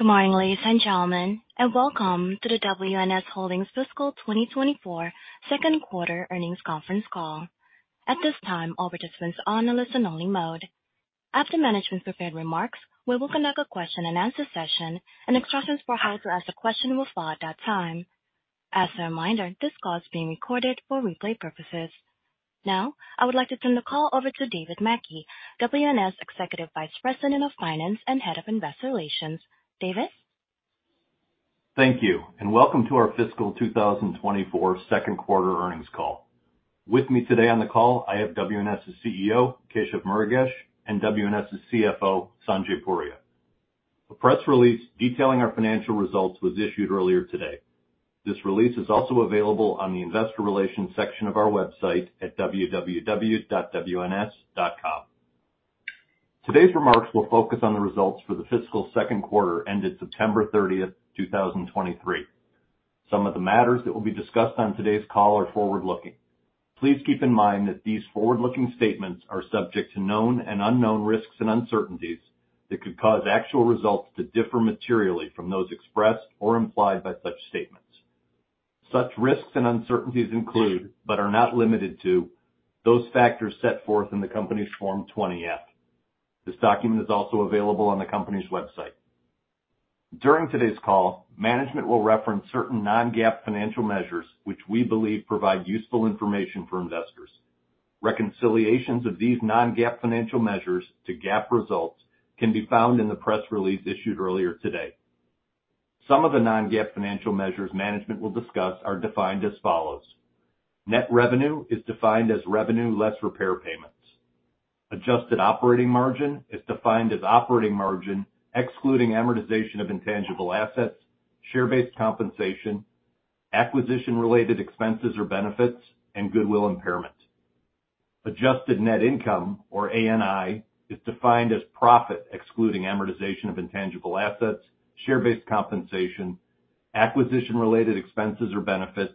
Good morning, ladies and gentlemen, and welcome to the WNS Holdings Fiscal 2024 Second Quarter Earnings Conference Call. At this time, all participants are on a listen-only mode. After management's prepared remarks, we will conduct a question-and-answer session, and instructions for how to ask a question will follow at that time. As a reminder, this call is being recorded for replay purposes. Now, I would like to turn the call over to David Mackey, WNS Executive Vice President of Finance and Head of Investor Relations. David? Thank you, and welcome to our Fiscal 2024 Second Quarter Earnings Call. With me today on the call, I have WNS's CEO, Keshav Murugesh, and WNS's CFO, Sanjay Puria. A press release detailing our financial results was issued earlier today. This release is also available on the investor relations section of our website at www.wns.com. Today's remarks will focus on the results for the fiscal second quarter, ended September 30th, 2023. Some of the matters that will be discussed on today's call are forward-looking. Please keep in mind that these forward-looking statements are subject to known and unknown risks and uncertainties that could cause actual results to differ materially from those expressed or implied by such statements. Such risks and uncertainties include, but are not limited to, those factors set forth in the company's Form 20-F. This document is also available on the company's website. During today's call, management will reference certain non-GAAP financial measures, which we believe provide useful information for investors. Reconciliations of these non-GAAP financial measures to GAAP results can be found in the press release issued earlier today. Some of the non-GAAP financial measures management will discuss are defined as follows: Net revenue is defined as revenue less repair payments. Adjusted Operating Margin is defined as operating margin, excluding amortization of intangible assets, share-based compensation, acquisition-related expenses or benefits, and goodwill impairment. Adjusted Net Income, or ANI, is defined as profit, excluding amortization of intangible assets, share-based compensation, acquisition-related expenses or benefits,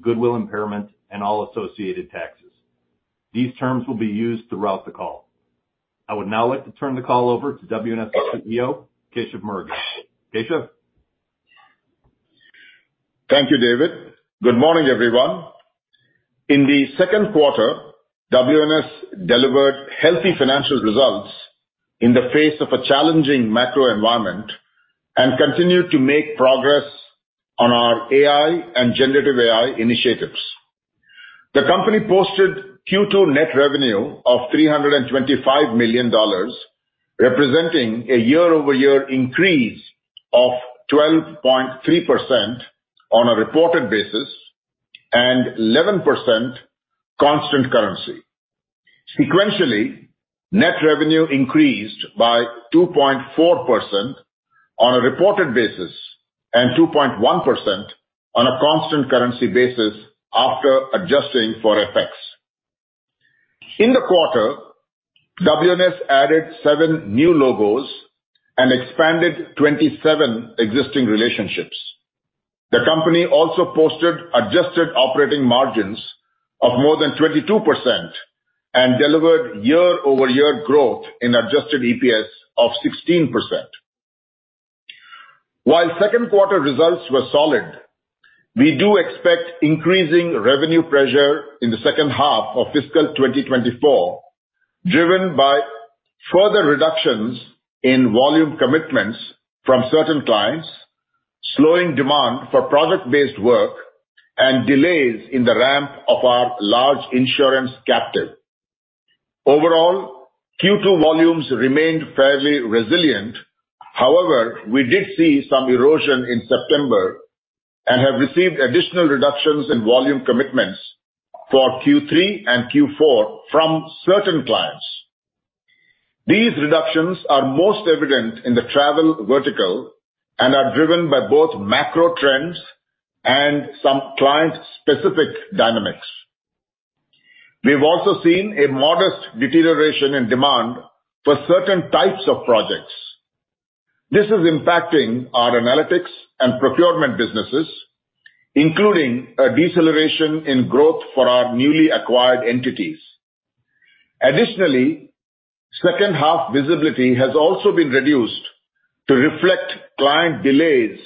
goodwill impairment, and all associated taxes. These terms will be used throughout the call. I would now like to turn the call over to WNS's CEO, Keshav Murugesh. Keshav? Thank you, David. Good morning, everyone. In the second quarter, WNS delivered healthy financial results in the face of a challenging macro environment and continued to make progress on our AI and generative AI initiatives. The company posted Q2 net revenue of $325 million, representing a year-over-year increase of 12.3% on a reported basis and 11% constant currency. Sequentially, net revenue increased by 2.4% on a reported basis and 2.1% on a constant currency basis after adjusting for FX. In the quarter, WNS added seven new logos and expanded 27 existing relationships. The company also posted adjusted operating margins of more than 22% and delivered year-over-year growth in adjusted EPS of 16%. While second quarter results were solid, we do expect increasing revenue pressure in the second half of fiscal 2024, driven by further reductions in volume commitments from certain clients, slowing demand for project-based work, and delays in the ramp of our large insurance captive. Overall, Q2 volumes remained fairly resilient. However, we did see some erosion in September and have received additional reductions in volume commitments for Q3 and Q4 from certain clients. These reductions are most evident in the travel vertical and are driven by both macro trends and some client-specific dynamics. We've also seen a modest deterioration in demand for certain types of projects. This is impacting our analytics and procurement businesses, including a deceleration in growth for our newly acquired entities. Additionally, second-half visibility has also been reduced to reflect client delays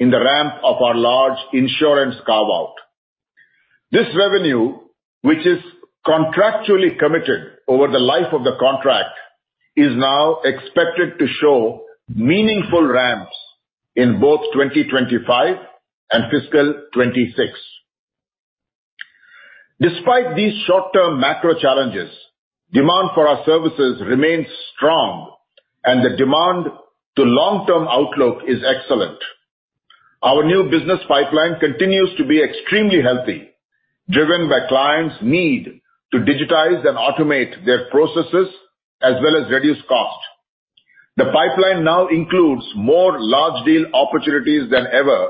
in the ramp of our large insurance carve-out. This revenue, which is contractually committed over the life of the contract, is now expected to show meaningful ramps in both 2025 and fiscal 2026. Despite these short-term macro challenges, demand for our services remains strong, and the demand to long-term outlook is excellent. Our new business pipeline continues to be extremely healthy, driven by clients' need to digitize and automate their processes, as well as reduce cost. The pipeline now includes more large deal opportunities than ever,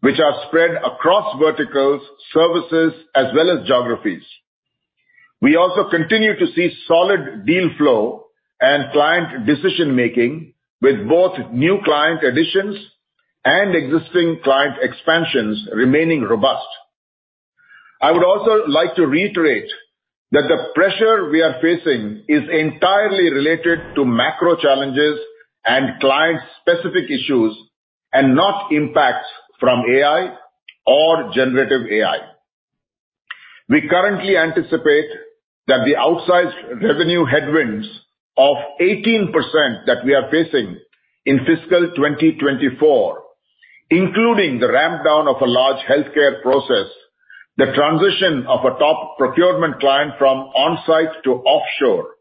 which are spread across verticals, services, as well as geographies. We also continue to see solid deal flow and client decision-making, with both new client additions and existing client expansions remaining robust.... I would also like to reiterate that the pressure we are facing is entirely related to macro challenges and client-specific issues, and not impacts from AI or generative AI. We currently anticipate that the outsized revenue headwinds of 18% that we are facing in fiscal 2024, including the ramp down of a large healthcare process, the transition of a top procurement client from on-site to offshore,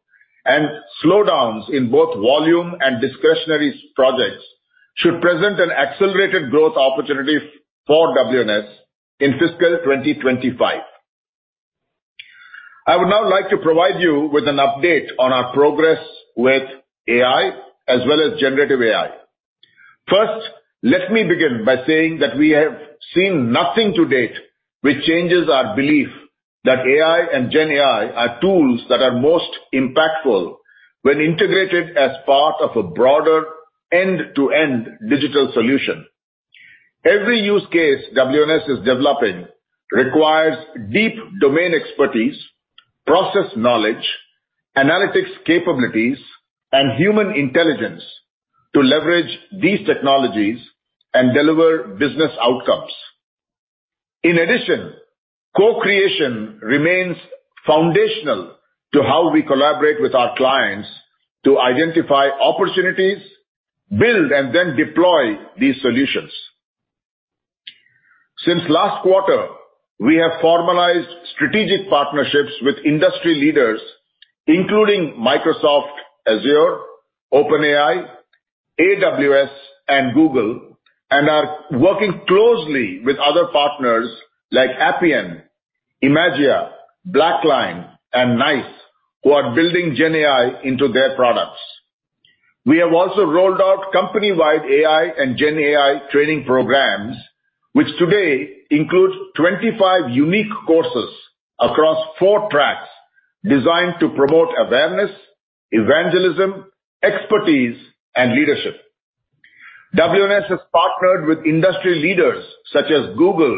and slowdowns in both volume and discretionary projects, should present an accelerated growth opportunity for WNS in fiscal 2025. I would now like to provide you with an update on our progress with AI as well as generative AI. First, let me begin by saying that we have seen nothing to date which changes our belief that AI and GenAI are tools that are most impactful when integrated as part of a broader end-to-end digital solution. Every use case WNS is developing requires deep domain expertise, process knowledge, analytics capabilities, and human intelligence to leverage these technologies and deliver business outcomes. In addition, co-creation remains foundational to how we collaborate with our clients to identify opportunities, build, and then deploy these solutions. Since last quarter, we have formalized strategic partnerships with industry leaders, including Microsoft Azure, OpenAI, AWS, and Google, and are working closely with other partners like Appian, Imagia, BlackLine, and NICE, who are building GenAI into their products. We have also rolled out company-wide AI and GenAI training programs, which today include 25 unique courses across four tracks designed to promote awareness, evangelism, expertise, and leadership. WNS has partnered with industry leaders such as Google,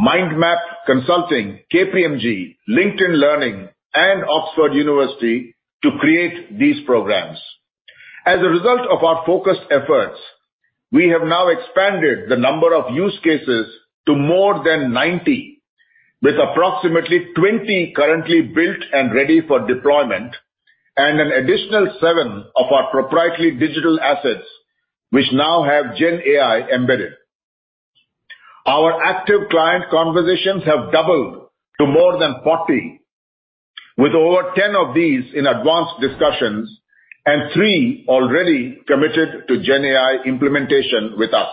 MindMap Consulting, KPMG, LinkedIn Learning, and Oxford University to create these programs. As a result of our focused efforts, we have now expanded the number of use cases to more than 90, with approximately 20 currently built and ready for deployment, and an additional seven of our proprietary digital assets, which now have GenAI embedded. Our active client conversations have doubled to more than 40, with over 10 of these in advanced discussions and three already committed to GenAI implementation with us.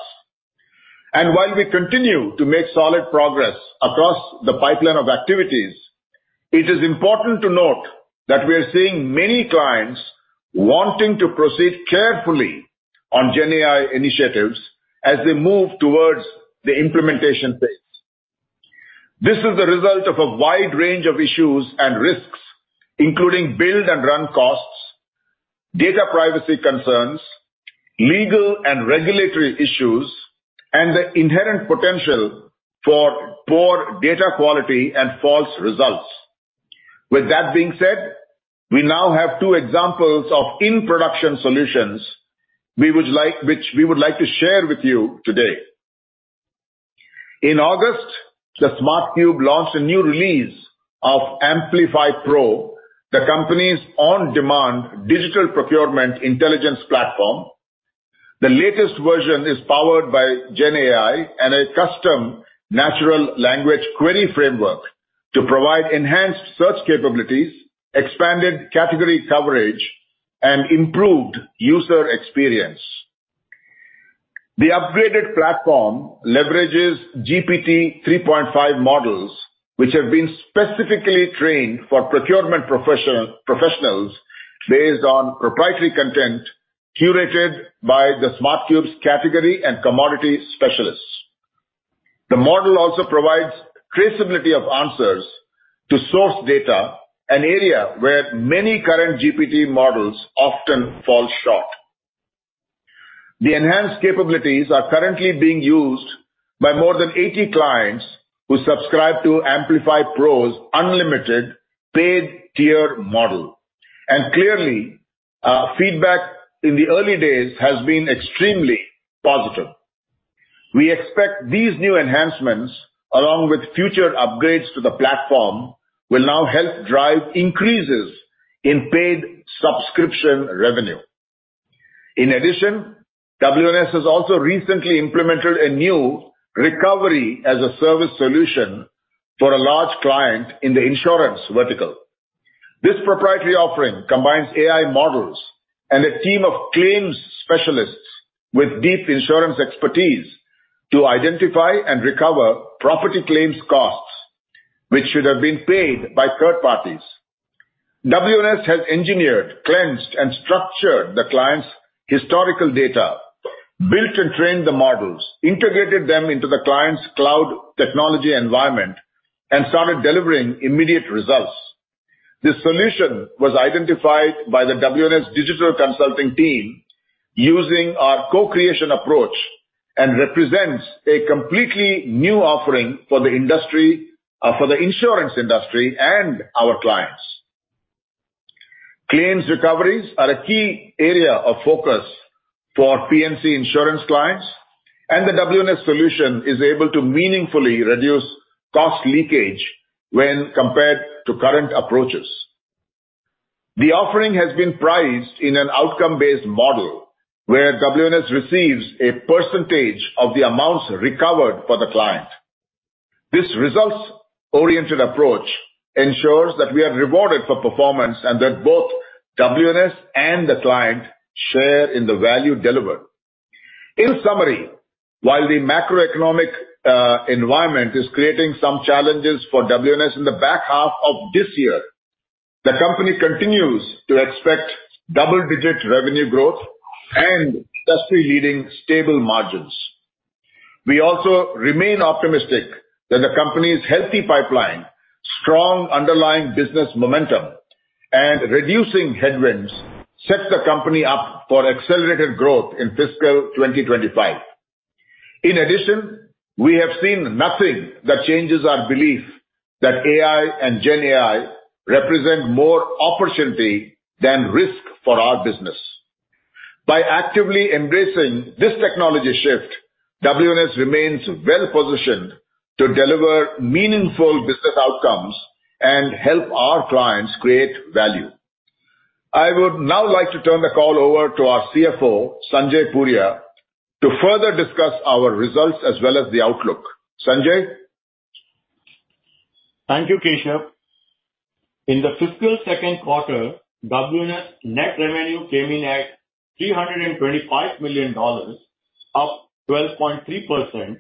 And while we continue to make solid progress across the pipeline of activities, it is important to note that we are seeing many clients wanting to proceed carefully on GenAI initiatives as they move towards the implementation phase. This is the result of a wide range of issues and risks, including build and run costs, data privacy concerns, legal and regulatory issues, and the inherent potential for poor data quality and false results. With that being said, we now have two examples of in-production solutions we would like to share with you today. In August, The Smart Cube launched a new release of Amplifi PRO, the company's on-demand digital procurement intelligence platform. The latest version is powered by GenAI and a custom natural language query framework to provide enhanced search capabilities, expanded category coverage, and improved user experience. The upgraded platform leverages GPT-3.5 models, which have been specifically trained for procurement professionals based on proprietary content curated by The Smart Cube's category and commodity specialists. The model also provides traceability of answers to source data, an area where many current GPT models often fall short. The enhanced capabilities are currently being used by more than 80 clients who subscribe to Amplifi PRO's unlimited paid tier model. And clearly, feedback in the early days has been extremely positive. We expect these new enhancements, along with future upgrades to the platform, will now help drive increases in paid subscription revenue. In addition, WNS has also recently implemented a new Recovery-as-a-Service solution for a large client in the insurance vertical. This proprietary offering combines AI models and a team of claims specialists with deep insurance expertise to identify and recover property claims costs, which should have been paid by third parties. WNS has engineered, cleansed, and structured the client's historical data, built and trained the models, integrated them into the client's cloud technology environment, and started delivering immediate results. This solution was identified by the WNS digital consulting team using our co-creation approach, and represents a completely new offering for the industry, for the insurance industry and our clients. Claims recoveries are a key area of focus for P&C Insurance clients, and the WNS solution is able to meaningfully reduce cost leakage when compared to current approaches. The offering has been priced in an outcome-based model, where WNS receives a percentage of the amounts recovered for the client. This results-oriented approach ensures that we are rewarded for performance, and that both WNS and the client share in the value delivered. In summary, while the macroeconomic environment is creating some challenges for WNS in the back half of this year, the company continues to expect double-digit revenue growth and industry-leading stable margins. We also remain optimistic that the company's healthy pipeline, strong underlying business momentum, and reducing headwinds set the company up for accelerated growth in fiscal 2025. In addition, we have seen nothing that changes our belief that AI and GenAI represent more opportunity than risk for our business. By actively embracing this technology shift, WNS remains well-positioned to deliver meaningful business outcomes and help our clients create value. I would now like to turn the call over to our CFO, Sanjay Puria, to further discuss our results as well as the outlook. Sanjay? Thank you, Keshav. In the fiscal second quarter, WNS net revenue came in at $325 million, up 12.3%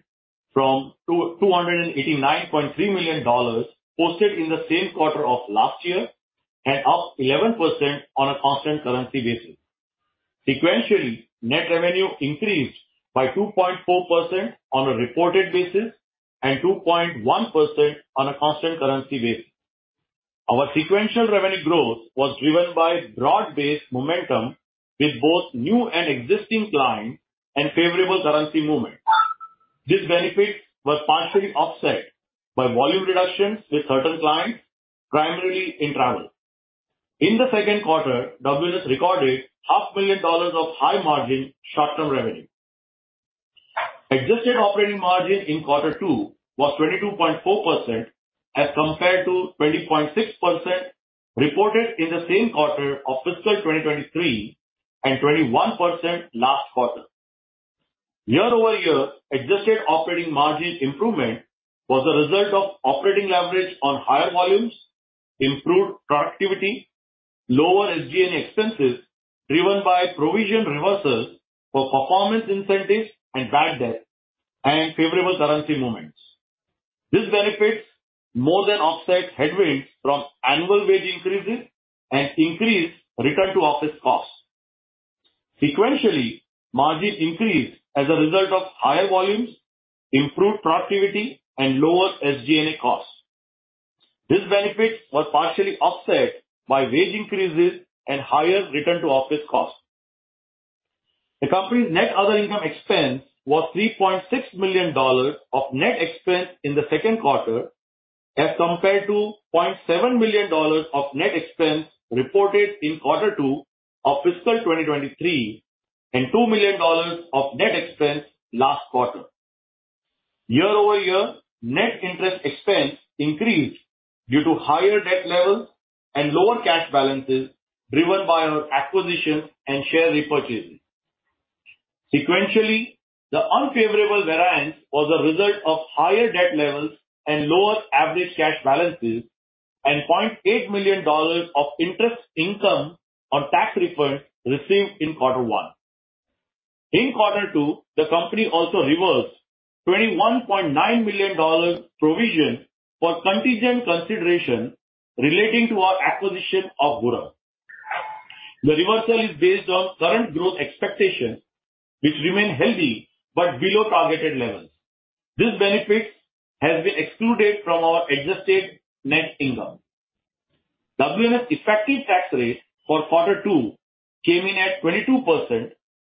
from $289.3 million posted in the same quarter of last year and up 11% on a constant currency basis. Sequentially, net revenue increased by 2.4% on a reported basis and 2.1% on a constant currency basis. Our sequential revenue growth was driven by broad-based momentum with both new and existing clients and favorable currency movement. This benefit was partially offset by volume reductions with certain clients, primarily in travel. In the second quarter, WNS recorded $500,000 of high-margin, short-term revenue. Adjusted operating margin in quarter two was 22.4%, as compared to 20.6% reported in the same quarter of fiscal 2023, and 21% last quarter. Year-over-year, adjusted operating margin improvement was a result of operating leverage on higher volumes, improved productivity, lower SG&A expenses driven by provision reversals for performance incentives and bad debt, and favorable currency movements. This benefits more than offset headwinds from annual wage increases and increased return-to-office costs. Sequentially, margin increased as a result of higher volumes, improved productivity, and lower SG&A costs. This benefit was partially offset by wage increases and higher return-to-office costs. The company's net other income expense was $3.6 million of net expense in the second quarter, as compared to $0.7 million of net expense reported in quarter two of fiscal 2023, and $2 million of net expense last quarter. Year-over-year, net interest expense increased due to higher debt levels and lower cash balances, driven by our acquisitions and share repurchases. Sequentially, the unfavorable variance was a result of higher debt levels and lower average cash balances, and $0.8 million of interest income on tax refunds received in quarter one. In quarter two, the company also reversed $21.9 million provision for contingent consideration relating to our acquisition of Vuram. The reversal is based on current growth expectations, which remain healthy but below targeted levels. This benefit has been excluded from our Adjusted Net Income. WNS effective tax rate for quarter two came in at 22%,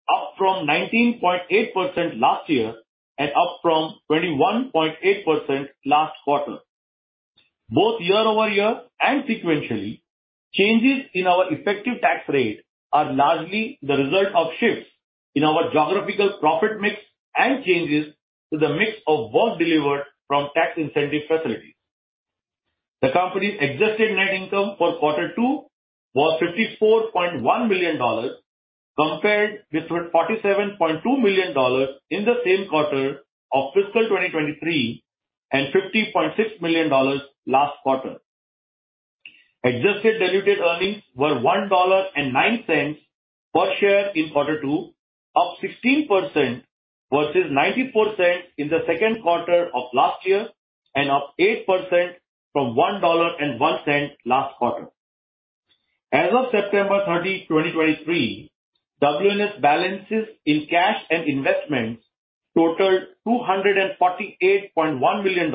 up from 19.8% last year and up from 21.8% last quarter. Both year-over-year and sequentially, changes in our effective tax rate are largely the result of shifts in our geographical profit mix and changes to the mix of work delivered from tax incentive facilities. The company's Adjusted Net Income for quarter two was $54.1 million, compared with $47.2 million in the same quarter of fiscal 2023, and $50.6 million last quarter. Adjusted diluted earnings were $1.09 per share in quarter two, up 16% versus $0.94 in the second quarter of last year and up 8% from $1.01 last quarter... As of September 30, 2023, WNS balances in cash and investments totaled $248.1 million,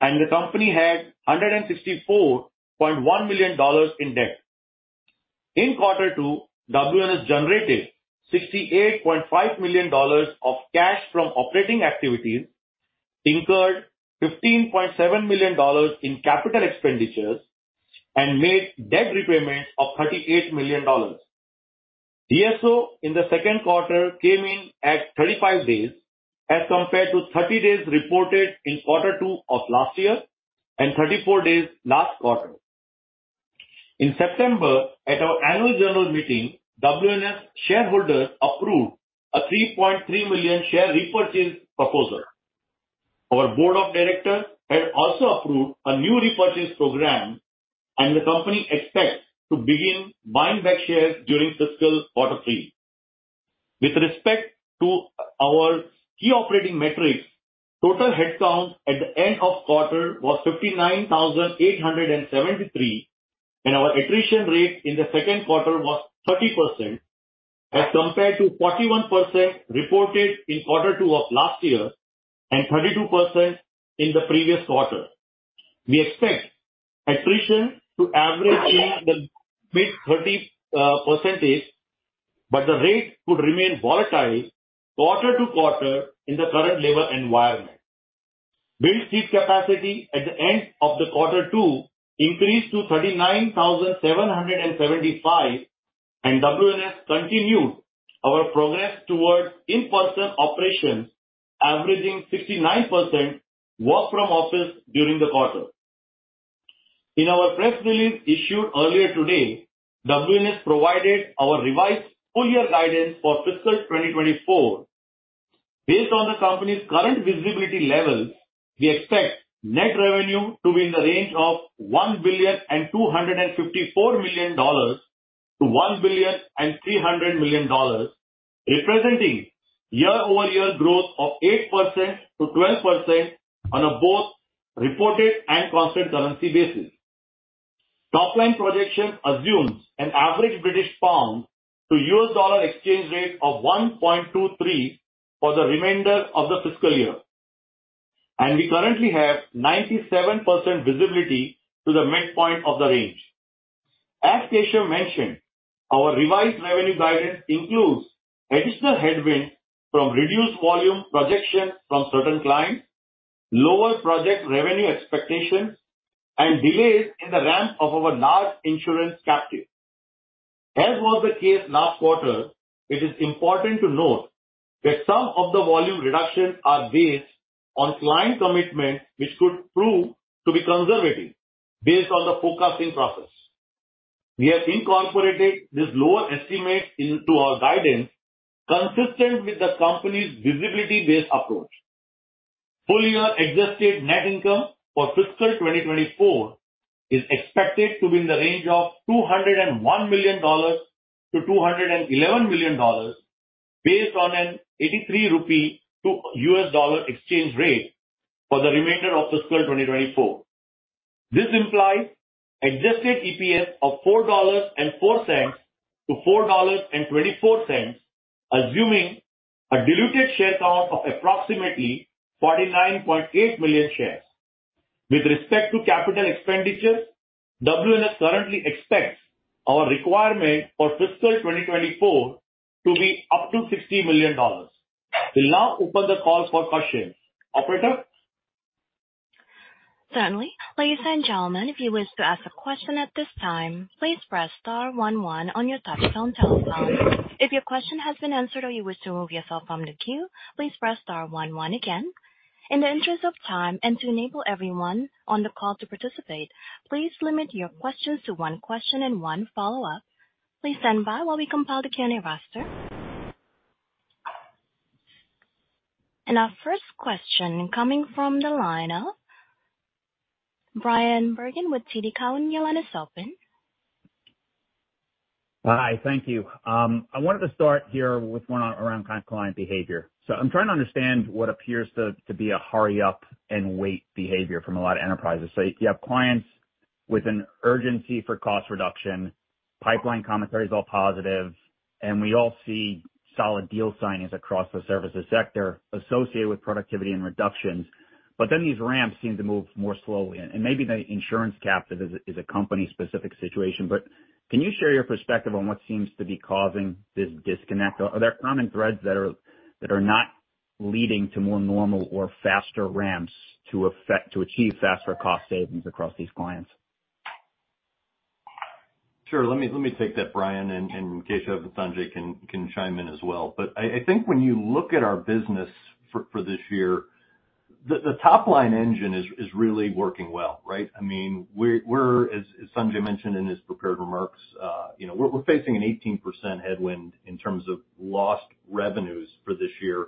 and the company had $164.1 million in debt. In quarter two, WNS generated $68.5 million of cash from operating activities, incurred $15.7 million in capital expenditures, and made debt repayments of $38 million. DSO in the second quarter came in at 35 days as compared to 30 days reported in quarter two of last year and 34 days last quarter. In September, at our annual general meeting, WNS shareholders approved a 3.3 million share repurchase proposal. Our board of directors had also approved a new repurchase program, and the company expects to begin buying back shares during fiscal quarter three. With respect to our key operating metrics, total headcount at the end of quarter was 59,873, and our attrition rate in the second quarter was 30%, as compared to 41% reported in quarter two of last year and 32% in the previous quarter. We expect attrition to average in the mid-30%, but the rate could remain volatile quarter-to-quarter in the current labor environment. Billed seat capacity at the end of the quarter two increased to 39,775, and WNS continued our progress towards in-person operations, averaging 69% work from office during the quarter. In our press release issued earlier today, WNS provided our revised full year guidance for fiscal 2024. Based on the company's current visibility levels, we expect net revenue to be in the range of $1.254 billion-$1.3 billion, representing year-over-year growth of 8%-12% on a both reported and constant currency basis. Top-line projection assumes an average British pound to U.S. dollar exchange rate of 1.23 for the remainder of the fiscal year, and we currently have 97% visibility to the midpoint of the range. As Keshav mentioned, our revised revenue guidance includes additional headwind from reduced volume projection from certain clients, lower project revenue expectations, and delays in the ramp of our large insurance captive. As was the case last quarter, it is important to note that some of the volume reductions are based on client commitment, which could prove to be conservative based on the forecasting process. We have incorporated this lower estimate into our guidance, consistent with the company's visibility-based approach. Full-year Adjusted Net Income for fiscal 2024 is expected to be in the range of $201 million-$211 million, based on an 83 rupee to $1 exchange rate for the remainder of fiscal 2024. This implies Adjusted EPS of $4.04-$4.24, assuming a diluted share count of approximately 49.8 million shares. With respect to capital expenditures, WNS currently expects our requirement for fiscal 2024 to be up to $60 million. We'll now open the call for questions. Operator? Certainly. Ladies and gentlemen, if you wish to ask a question at this time, please press star one one on your touchtone telephone. If your question has been answered or you wish to remove yourself from the queue, please press star one one again. In the interest of time and to enable everyone on the call to participate, please limit your questions to one question and one follow-up. Please stand by while we compile the Q&A roster. Our first question coming from the line of Bryan Bergin with TD Cowen, your line is open. Hi. Thank you. I wanted to start here with one around kind of client behavior. So I'm trying to understand what appears to be a hurry up and wait behavior from a lot of enterprises. So you have clients with an urgency for cost reduction, pipeline commentary is all positive, and we all see solid deal signings across the services sector associated with productivity and reductions, but then these ramps seem to move more slowly. And maybe the insurance captive is a company specific situation, but can you share your perspective on what seems to be causing this disconnect? Are there common threads that are not leading to more normal or faster ramps to achieve faster cost savings across these clients? Sure. Let me take that, Bryan, and Keshav and Sanjay can chime in as well. But I think when you look at our business for this year, the top line engine is really working well, right? I mean, we're as Sanjay mentioned in his prepared remarks, you know, we're facing an 18% headwind in terms of lost revenues for this year,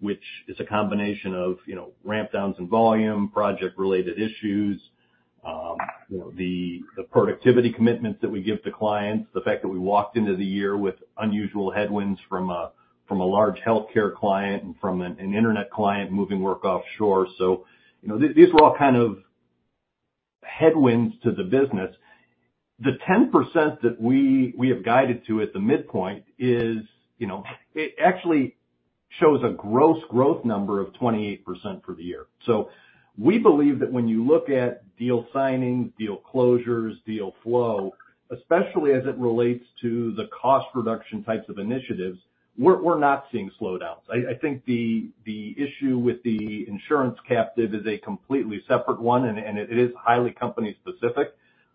which is a combination of, you know, ramp downs in volume, project-related issues, you know, the productivity commitments that we give to clients, the fact that we walked into the year with unusual headwinds from a large healthcare client and from an internet client moving work offshore. So, you know, these were all kind of. Headwinds to the business, the 10% that we have guided to at the midpoint is, you know, it actually shows a gross growth number of 28% for the year. So we believe that when you look at deal signings, deal closures, deal flow, especially as it relates to the cost reduction types of initiatives, we're not seeing slowdowns. I think the issue with the insurance captive is a completely separate one, and it is highly company specific,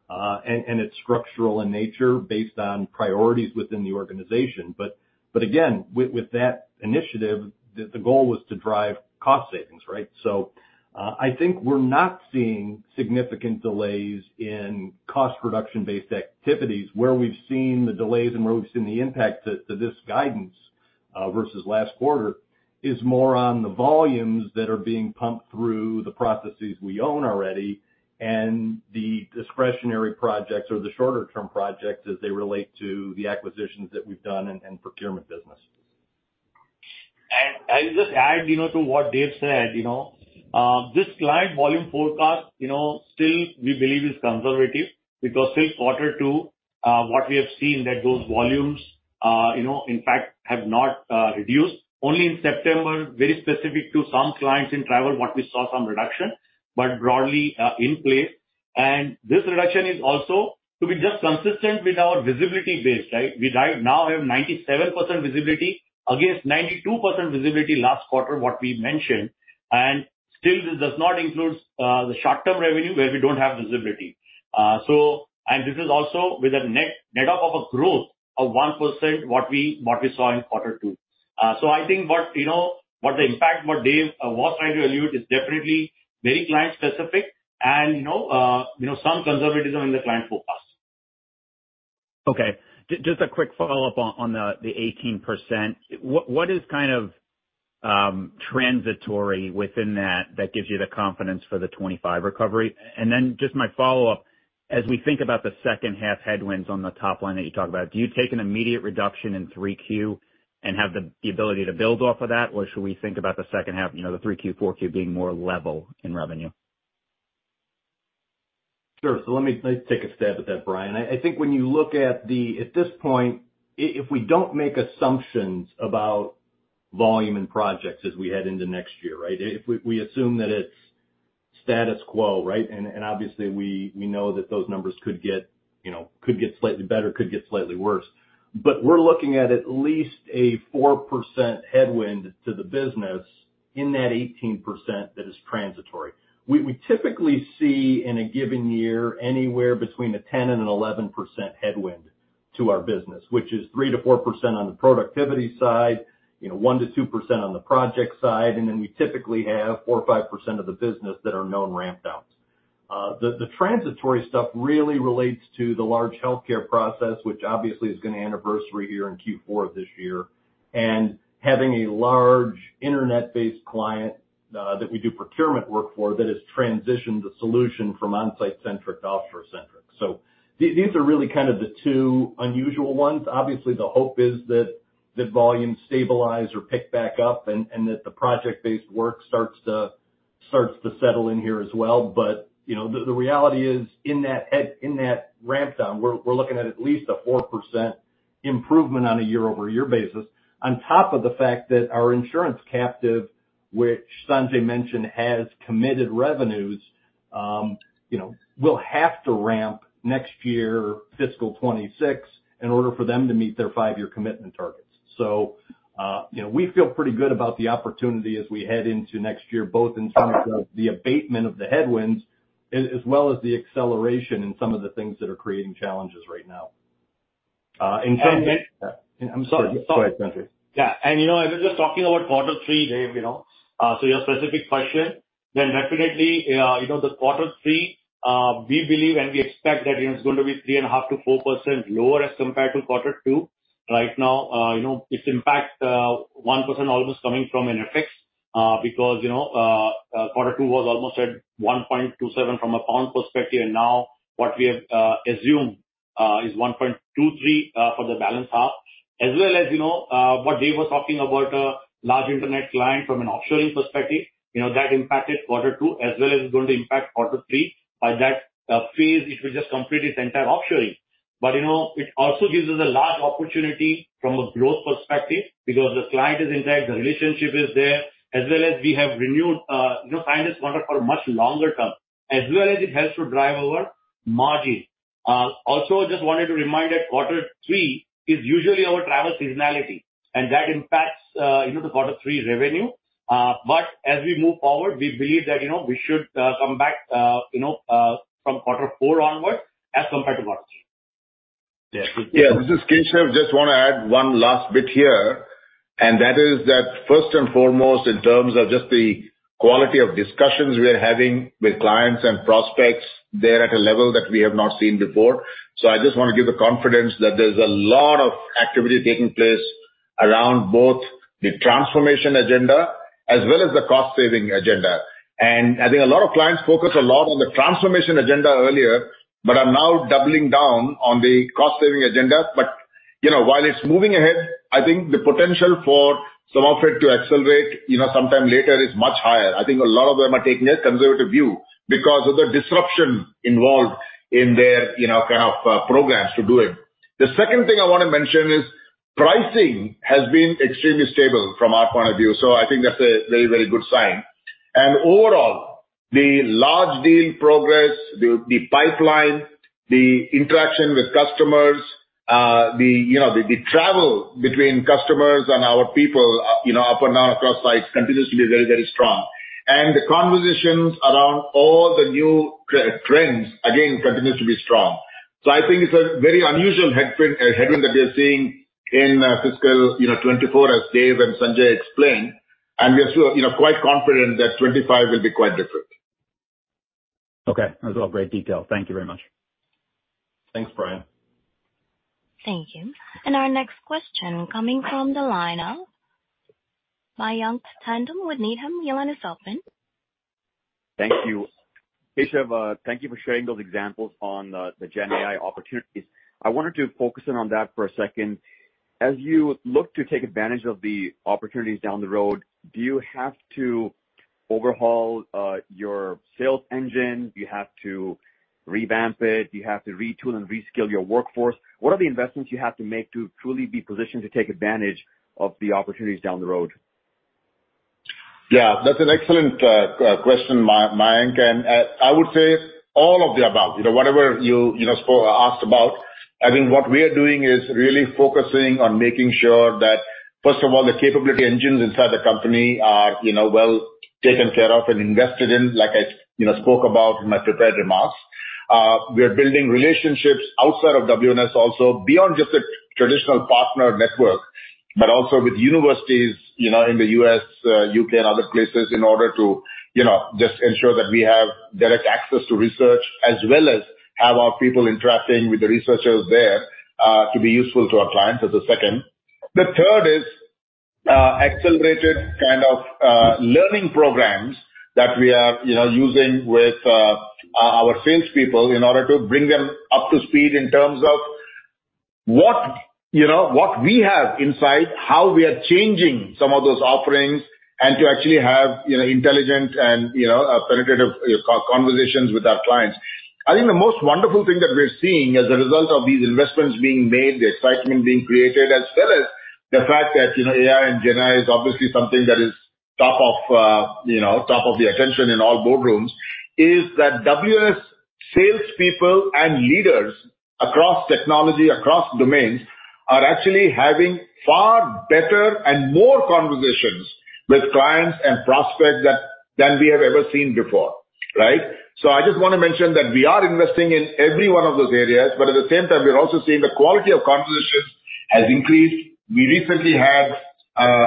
and it's structural in nature based on priorities within the organization. But again, with that initiative, the goal was to drive cost savings, right? So, I think we're not seeing significant delays in cost reduction-based activities. Where we've seen the delays and where we've seen the impact to this guidance versus last quarter is more on the volumes that are being pumped through the processes we own already and the discretionary projects or the shorter-term projects as they relate to the acquisitions that we've done and procurement business. I'll just add, you know, to what Dave said, you know. This client volume forecast, you know, still we believe is conservative, because since quarter two, what we have seen that those volumes, you know, in fact, have not, reduced. Only in September, very specific to some clients in travel, what we saw some reduction, but broadly, in place. And this reduction is also to be just consistent with our visibility base, right? We right now have 97% visibility against 92% visibility last quarter, what we mentioned, and still this does not include, the short-term revenue where we don't have visibility. So, and this is also with a net-net of, of a growth of 1% what we, what we saw in quarter two. So, I think what, you know, what the impact, what Dave was trying to allude to, is definitely very client specific and, you know, you know, some conservatism in the client forecast. Okay. Just a quick follow-up on the 18%. What is kind of transitory within that that gives you the confidence for the 25 recovery? And then just my follow-up: As we think about the second half headwinds on the top line that you talked about, do you take an immediate reduction in 3Q and have the ability to build off of that? Or should we think about the second half, you know, the 3Q, 4Q being more level in revenue? Sure. So let me, let's take a stab at that, Bryan. I think when you look at the, at this point, if we don't make assumptions about volume and projects as we head into next year, right? If we assume that it's status quo, right? And obviously we know that those numbers could get, you know, could get slightly better, could get slightly worse. But we're looking at at least a 4% headwind to the business in that 18% that is transitory. We typically see in a given year, anywhere between a 10%-11% headwind to our business, which is 3%-4% on the productivity side, you know, 1%-2% on the project side, and then we typically have 4%-5% of the business that are known ramp downs. The transitory stuff really relates to the large healthcare process, which obviously is gonna anniversary here in Q4 this year, and having a large internet-based client that we do procurement work for that has transitioned the solution from on-site centric to offshore centric. So these are really kind of the two unusual ones. Obviously, the hope is that volumes stabilize or pick back up and that the project-based work starts to settle in here as well. But you know, the reality is, in that ramp down, we're looking at least a 4% improvement on a year-over-year basis, on top of the fact that our insurance captive, which Sanjay mentioned, has committed revenues will have to ramp next year, fiscal 2026, in order for them to meet their five-year commitment targets. So, you know, we feel pretty good about the opportunity as we head into next year, both in terms of the abatement of the headwinds, as well as the acceleration in some of the things that are creating challenges right now. And- And, and- I'm sorry. Go ahead, Sanjay. Yeah. And, you know, as we're just talking about quarter three, Dave, you know, so your specific question, then definitely, you know, the quarter three, we believe and we expect that, you know, it's going to be 3.5%-4% lower as compared to quarter two. Right now, you know, it's impact, 1% almost coming from NFX, because, you know, quarter two was almost at 1.27 from a pound perspective, and now what we have assumed is 1.23 for the balance half. As well as, you know, what Dave was talking about, a large internet client from an offshoring perspective, you know, that impacted quarter two as well as it's going to impact quarter three. By that phase, it will just complete its entire offshoring. But, you know, it also gives us a large opportunity from a growth perspective because the client is intact, the relationship is there, as well as we have renewed, you know, signed this contract for a much longer term, as well as it helps to drive our margin. Also, I just wanted to remind that quarter three is usually our travel seasonality, and that impacts, you know, the quarter three revenue. But as we move forward, we believe that, you know, we should come back, you know, from quarter four onward as compared to margin. Yeah. Yeah, this is Kishen. Just want to add one last bit here, and that is that first and foremost, in terms of just the quality of discussions we are having with clients and prospects, they're at a level that we have not seen before. So I just want to give the confidence that there's a lot of activity taking place around both the transformation agenda as well as the cost saving agenda. And I think a lot of clients focused a lot on the transformation agenda earlier, but are now doubling down on the cost saving agenda, but you know, while it's moving ahead, I think the potential for some of it to accelerate, you know, sometime later is much higher. I think a lot of them are taking a conservative view because of the disruption involved in their, you know, kind of programs to do it. The second thing I wanna mention is pricing has been extremely stable from our point of view, so I think that's a very, very good sign. And overall, the large deal progress, the pipeline, the interaction with customers, you know, the travel between customers and our people, you know, up and down across sites continues to be very, very strong. And the conversations around all the new trends again, continues to be strong. So I think it's a very unusual headwind that we are seeing in fiscal 2024, as Dave and Sanjay explained, and we are still, you know, quite confident that 2025 will be quite different. Okay, those are all great details. Thank you very much. Thanks, Brian. Thank you. Our next question coming from the line of Mayank Tandon with Needham & Company. Thank you. Keshav, thank you for sharing those examples on the GenAI opportunities. I wanted to focus in on that for a second. As you look to take advantage of the opportunities down the road, do you have to overhaul your sales engine? Do you have to revamp it? Do you have to retool and reskill your workforce? What are the investments you have to make to truly be positioned to take advantage of the opportunities down the road? Yeah, that's an excellent question, Mayank, and I would say all of the above. You know, whatever you, you know, asked about, I think what we are doing is really focusing on making sure that, first of all, the capability engines inside the company are, you know, well taken care of and invested in, like I, you know, spoke about in my prepared remarks. We are building relationships outside of WNS also, beyond just the traditional partner network, but also with universities, you know, in the U.S., U.K. and other places, in order to, you know, just ensure that we have direct access to research, as well as have our people interacting with the researchers there, to be useful to our clients, as a second. The third is, accelerated kind of, learning programs that we are, you know, using with, our salespeople in order to bring them up to speed in terms of what, you know, what we have inside, how we are changing some of those offerings, and to actually have, you know, intelligent and, you know, penetrative co-conversations with our clients. I think the most wonderful thing that we're seeing as a result of these investments being made, the excitement being created, as well as the fact that, you know, AI and GenAI is obviously something that is top of, you know, top of the attention in all boardrooms, is that WNS salespeople and leaders across technology, across domains, are actually having far better and more conversations with clients and prospects that than we have ever seen before, right? So I just want to mention that we are investing in every one of those areas, but at the same time, we're also seeing the quality of conversations has increased. We recently had,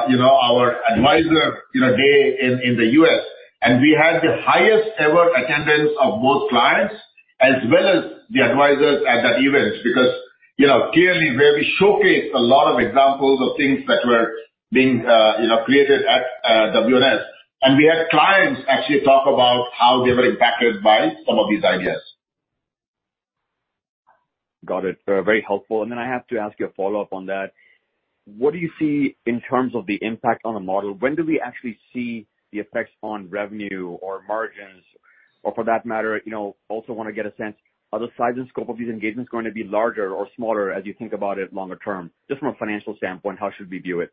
you know, our advisor, you know, day in the U.S., and we had the highest ever attendance of both clients as well as the advisors at that event. Because, you know, clearly where we showcased a lot of examples of things that were being, you know, created at WNS, and we had clients actually talk about how they were impacted by some of these ideas. Got it. Very helpful. Then I have to ask you a follow-up on that. What do you see in terms of the impact on the model? When do we actually see the effects on revenue or margins, or for that matter, you know, also want to get a sense, are the size and scope of these engagements going to be larger or smaller as you think about it longer term? Just from a financial standpoint, how should we view it?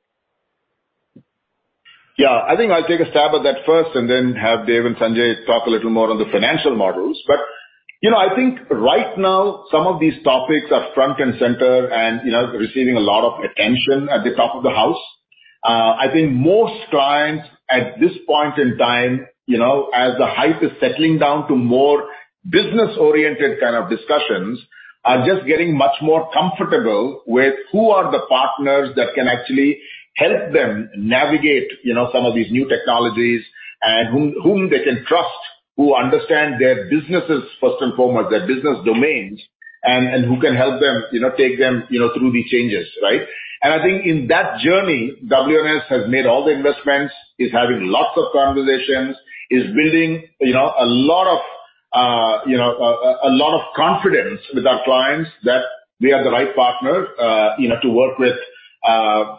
Yeah, I think I'll take a stab at that first and then have Dave and Sanjay talk a little more on the financial models. But, you know, I think right now some of these topics are front and center and, you know, receiving a lot of attention at the top of the house. I think most clients at this point in time, you know, as the hype is settling down to more business-oriented kind of discussions, are just getting much more comfortable with who are the partners that can actually help them navigate, you know, some of these new technologies, and whom, whom they can trust, who understand their businesses first and foremost, their business domains, and, and who can help them, you know, take them, you know, through these changes, right? I think in that journey, WNS has made all the investments, is having lots of conversations, is building, you know, a lot of, you know, a lot of confidence with our clients that we are the right partner, you know, to work with,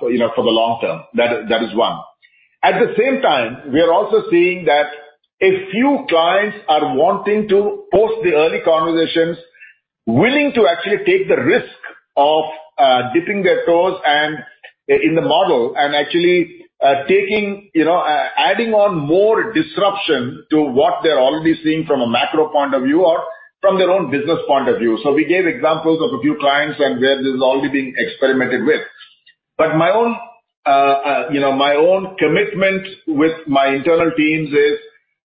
you know, for the long term. That is, that is one. At the same time, we are also seeing that a few clients are wanting to post the early conversations, willing to actually take the risk of dipping their toes and, in the model, and actually taking, you know, adding on more disruption to what they're already seeing from a macro point of view or from their own business point of view. We gave examples of a few clients and where this is already being experimented with. But my own, you know, my own commitment with my internal teams is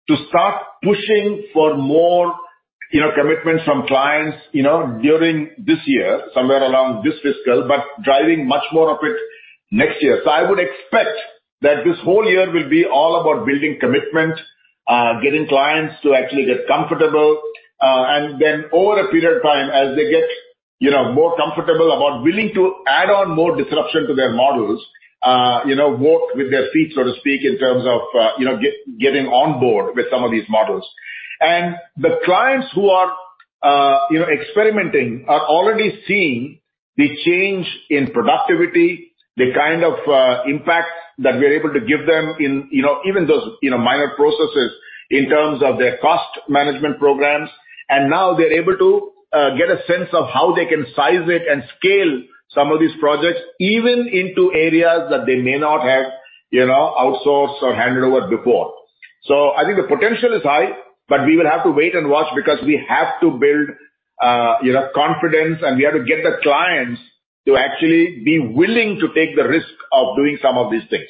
to start pushing for more, you know, commitments from clients, you know, during this year, somewhere along this fiscal, but driving much more of it next year. So I would expect that this whole year will be all about building commitment, getting clients to actually get comfortable, and then over a period of time, as they get, you know, more comfortable about willing to add on more disruption to their models, you know, walk with their feet, so to speak, in terms of, you know, getting on board with some of these models. And the clients who are, you know, experimenting are already seeing the change in productivity, the kind of impact that we're able to give them in, you know, even those, you know, minor processes in terms of their cost management programs. And now they're able to get a sense of how they can size it and scale some of these projects, even into areas that they may not have, you know, outsourced or handed over before. So I think the potential is high, but we will have to wait and watch because we have to build, you know, confidence, and we have to get the clients to actually be willing to take the risk of doing some of these things.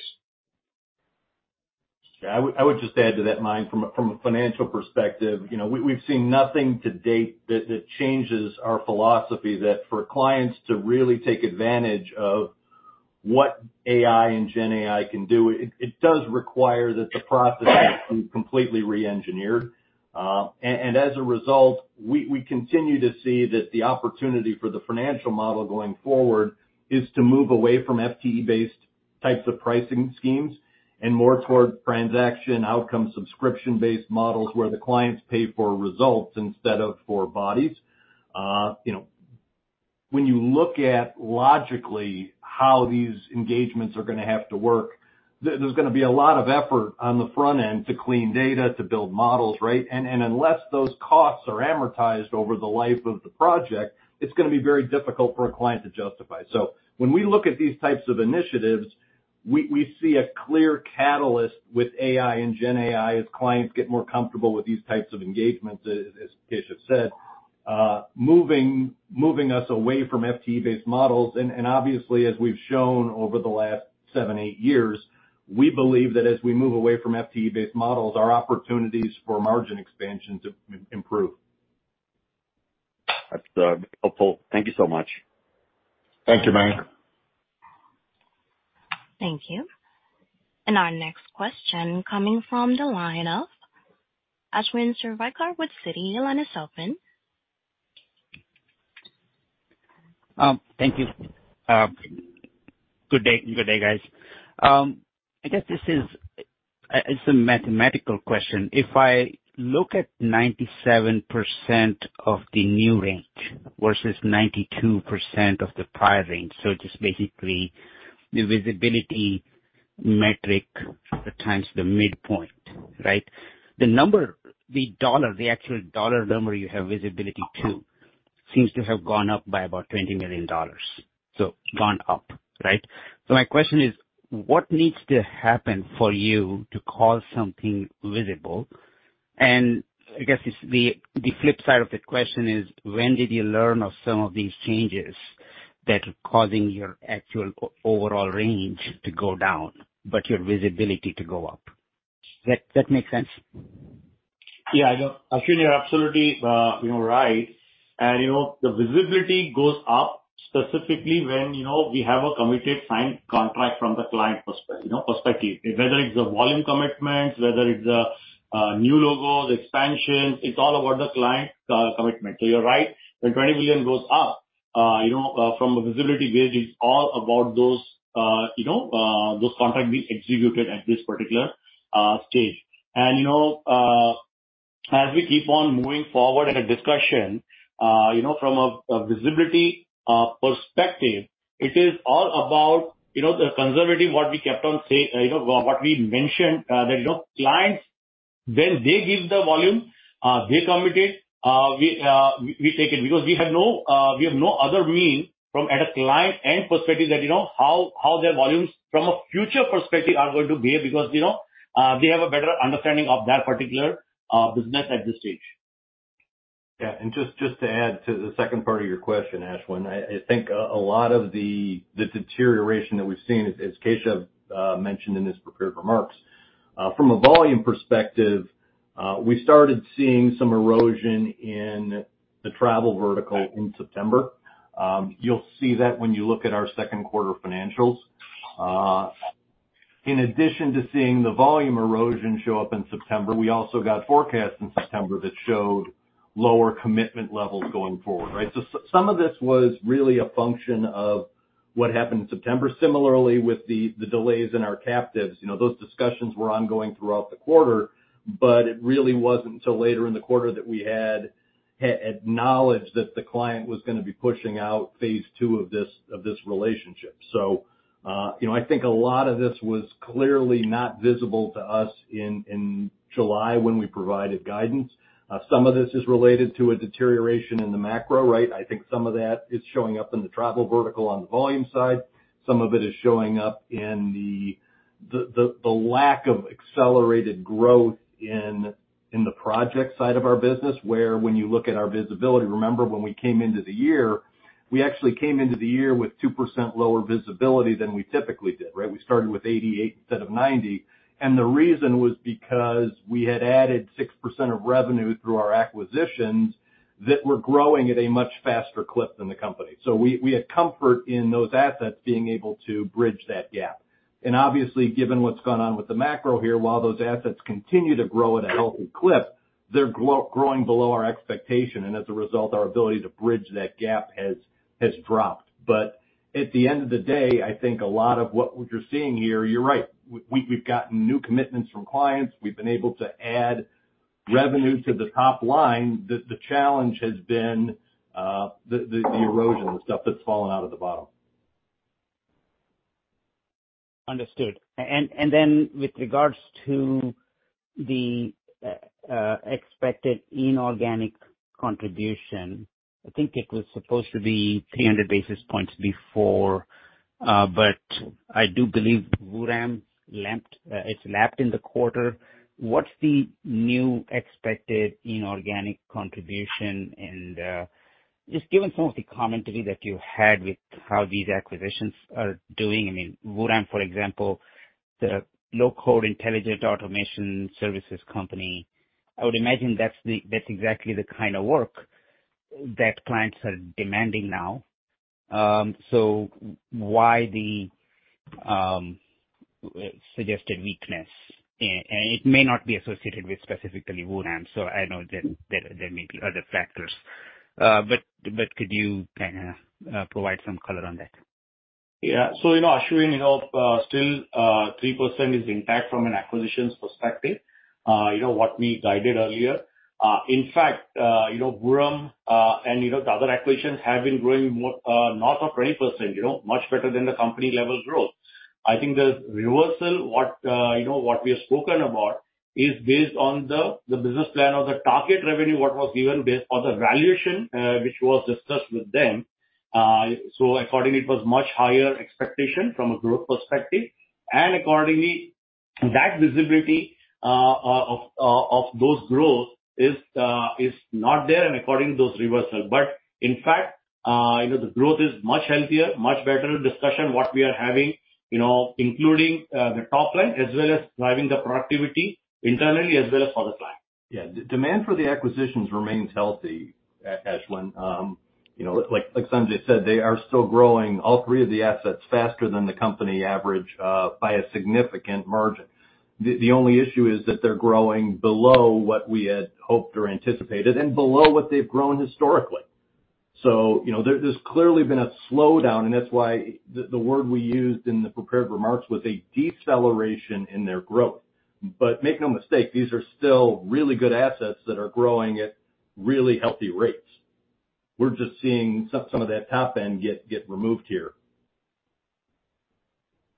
Yeah, I would just add to that, Mayank, from a financial perspective, you know, we've seen nothing to date that changes our philosophy, that for clients to really take advantage of what AI and GenAI can do, it does require that the process be completely reengineered. And as a result, we continue to see that the opportunity for the financial model going forward is to move away from FTE-based types of pricing schemes and more toward transaction outcome, subscription-based models, where the clients pay for results instead of for bodies. You know, when you look at logically how these engagements are gonna have to work, there's gonna be a lot of effort on the front end to clean data, to build models, right? Unless those costs are amortized over the life of the project, it's gonna be very difficult for a client to justify. So when we look at these types of initiatives, we see a clear catalyst with AI and GenAI as clients get more comfortable with these types of engagements, as Keshav said, moving us away from FTE-based models. And obviously, as we've shown over the last seven-eight years, we believe that as we move away from FTE-based models, our opportunities for margin expansion to improve. That's helpful. Thank you so much. Thank you, Mayank. Thank you. Our next question coming from the line of Ashwin Shirvaikar with Citi. Your line is open. Thank you. Good day, good day, guys. I guess this is a mathematical question. If I look at 97% of the new range versus 92% of the prior range, so just basically the visibility metric times the midpoint, right? The number, the dollar, the actual dollar number you have visibility to seems to have gone up by about $20 million, so gone up, right? So my question is: What needs to happen for you to call something visible? And I guess it's the flip side of the question is: When did you learn of some of these changes that are causing your actual overall range to go down, but your visibility to go up? That make sense? Yeah, I know, Ashwin, you're absolutely, you know, right. And, you know, the visibility goes up specifically when, you know, we have a committed signed contract from the client perspective. Whether it's a volume commitment, whether it's a new logo, the expansion, it's all about the client commitment. So you're right. When $20 million goes up, you know, from a visibility base, it's all about those, you know, those contracts being executed at this particular stage. And, you know, as we keep on moving forward in a discussion, you know, from a visibility perspective, it is all about, you know, the conservative, what we kept on saying, you know, what we mentioned, that, you know, clients, when they give the volume, they commit it, we take it. Because we have no other means from the client end perspective that, you know, how their volumes from a future perspective are going to be, because, you know, we have a better understanding of that particular business at this stage. Yeah, and just to add to the second part of your question, Ashwin, I think a lot of the this deterioration that we've seen, as Keshav mentioned in his prepared remarks, from a volume perspective, we started seeing some erosion in the travel vertical in September. You'll see that when you look at our second quarter financials. In addition to seeing the volume erosion show up in September, we also got forecasts in September that showed lower commitment levels going forward, right? So some of this was really a function of what happened in September. Similarly, with the delays in our captives, you know, those discussions were ongoing throughout the quarter, but it really wasn't until later in the quarter that we had acknowledged that the client was gonna be pushing out phase two of this relationship. So, you know, I think a lot of this was clearly not visible to us in July when we provided guidance. Some of this is related to a deterioration in the macro, right? I think some of that is showing up in the travel vertical on the volume side. Some of it is showing up in the lack of accelerated growth in the project side of our business, where when you look at our visibility... Remember, when we came into the year, we actually came into the year with 2% lower visibility than we typically did, right? We started with 88 instead of 90, and the reason was because we had added 6% of revenue through our acquisitions that were growing at a much faster clip than the company. So we had comfort in those assets being able to bridge that gap. And obviously, given what's gone on with the macro here, while those assets continue to grow at a healthy clip, they're growing below our expectation, and as a result, our ability to bridge that gap has dropped. But at the end of the day, I think a lot of what you're seeing here, you're right. We've gotten new commitments from clients. We've been able to add revenue to the top line, the erosion, the stuff that's fallen out of the bottom. Understood. And then with regards to the expected inorganic contribution, I think it was supposed to be 300 basis points before, but I do believe Vuram lapped, it lapped in the quarter. What's the new expected inorganic contribution? And just given some of the commentary that you had with how these acquisitions are doing. I mean, Vuram, for example, the low-code intelligent automation services company, I would imagine that's that's exactly the kind of work that clients are demanding now. So why the suggested weakness? And it may not be associated with specifically Vuram, so I know there there there may be other factors, but but could you kinda provide some color on that? Yeah. So, you know, Ashwin, you know, still, three percent is the impact from an acquisitions perspective, you know, what we guided earlier. In fact, you know, Vuram, and, you know, the other acquisitions have been growing more, north of 20%, you know, much better than the company levels growth. I think the reversal, what, you know, what we have spoken about is based on the business plan or the target revenue, what was given based on the valuation, which was discussed with them. So accordingly, it was much higher expectation from a growth perspective, and accordingly, that visibility, of, of those growth is, is not there, and according those reversals. But in fact, you know, the growth is much healthier, much better discussion what we are having, you know, including the top line, as well as driving the productivity internally as well as for the client. Yeah. The demand for the acquisitions remains healthy, Ashwin. You know, like, like Sanjay said, they are still growing all three of the assets faster than the company average by a significant margin. The only issue is that they're growing below what we had hoped or anticipated and below what they've grown historically. So, you know, there's clearly been a slowdown, and that's why the word we used in the prepared remarks was a deceleration in their growth. But make no mistake, these are still really good assets that are growing at really healthy rates. We're just seeing some of that top end get removed here.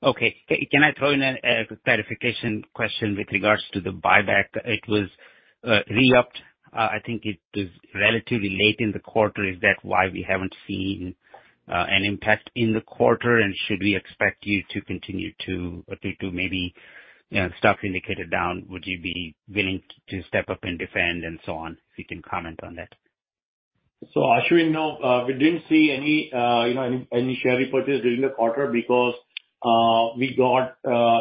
Okay. Can I throw in a clarification question with regards to the buyback? It was re-upped. I think it was relatively late in the quarter. Is that why we haven't seen an impact in the quarter? And should we expect you to continue to maybe, you know, stock indicated down, would you be willing to step up and defend and so on? If you can comment on that. So, Ashwin, no, we didn't see any, you know, any share repurchase during the quarter because, we got,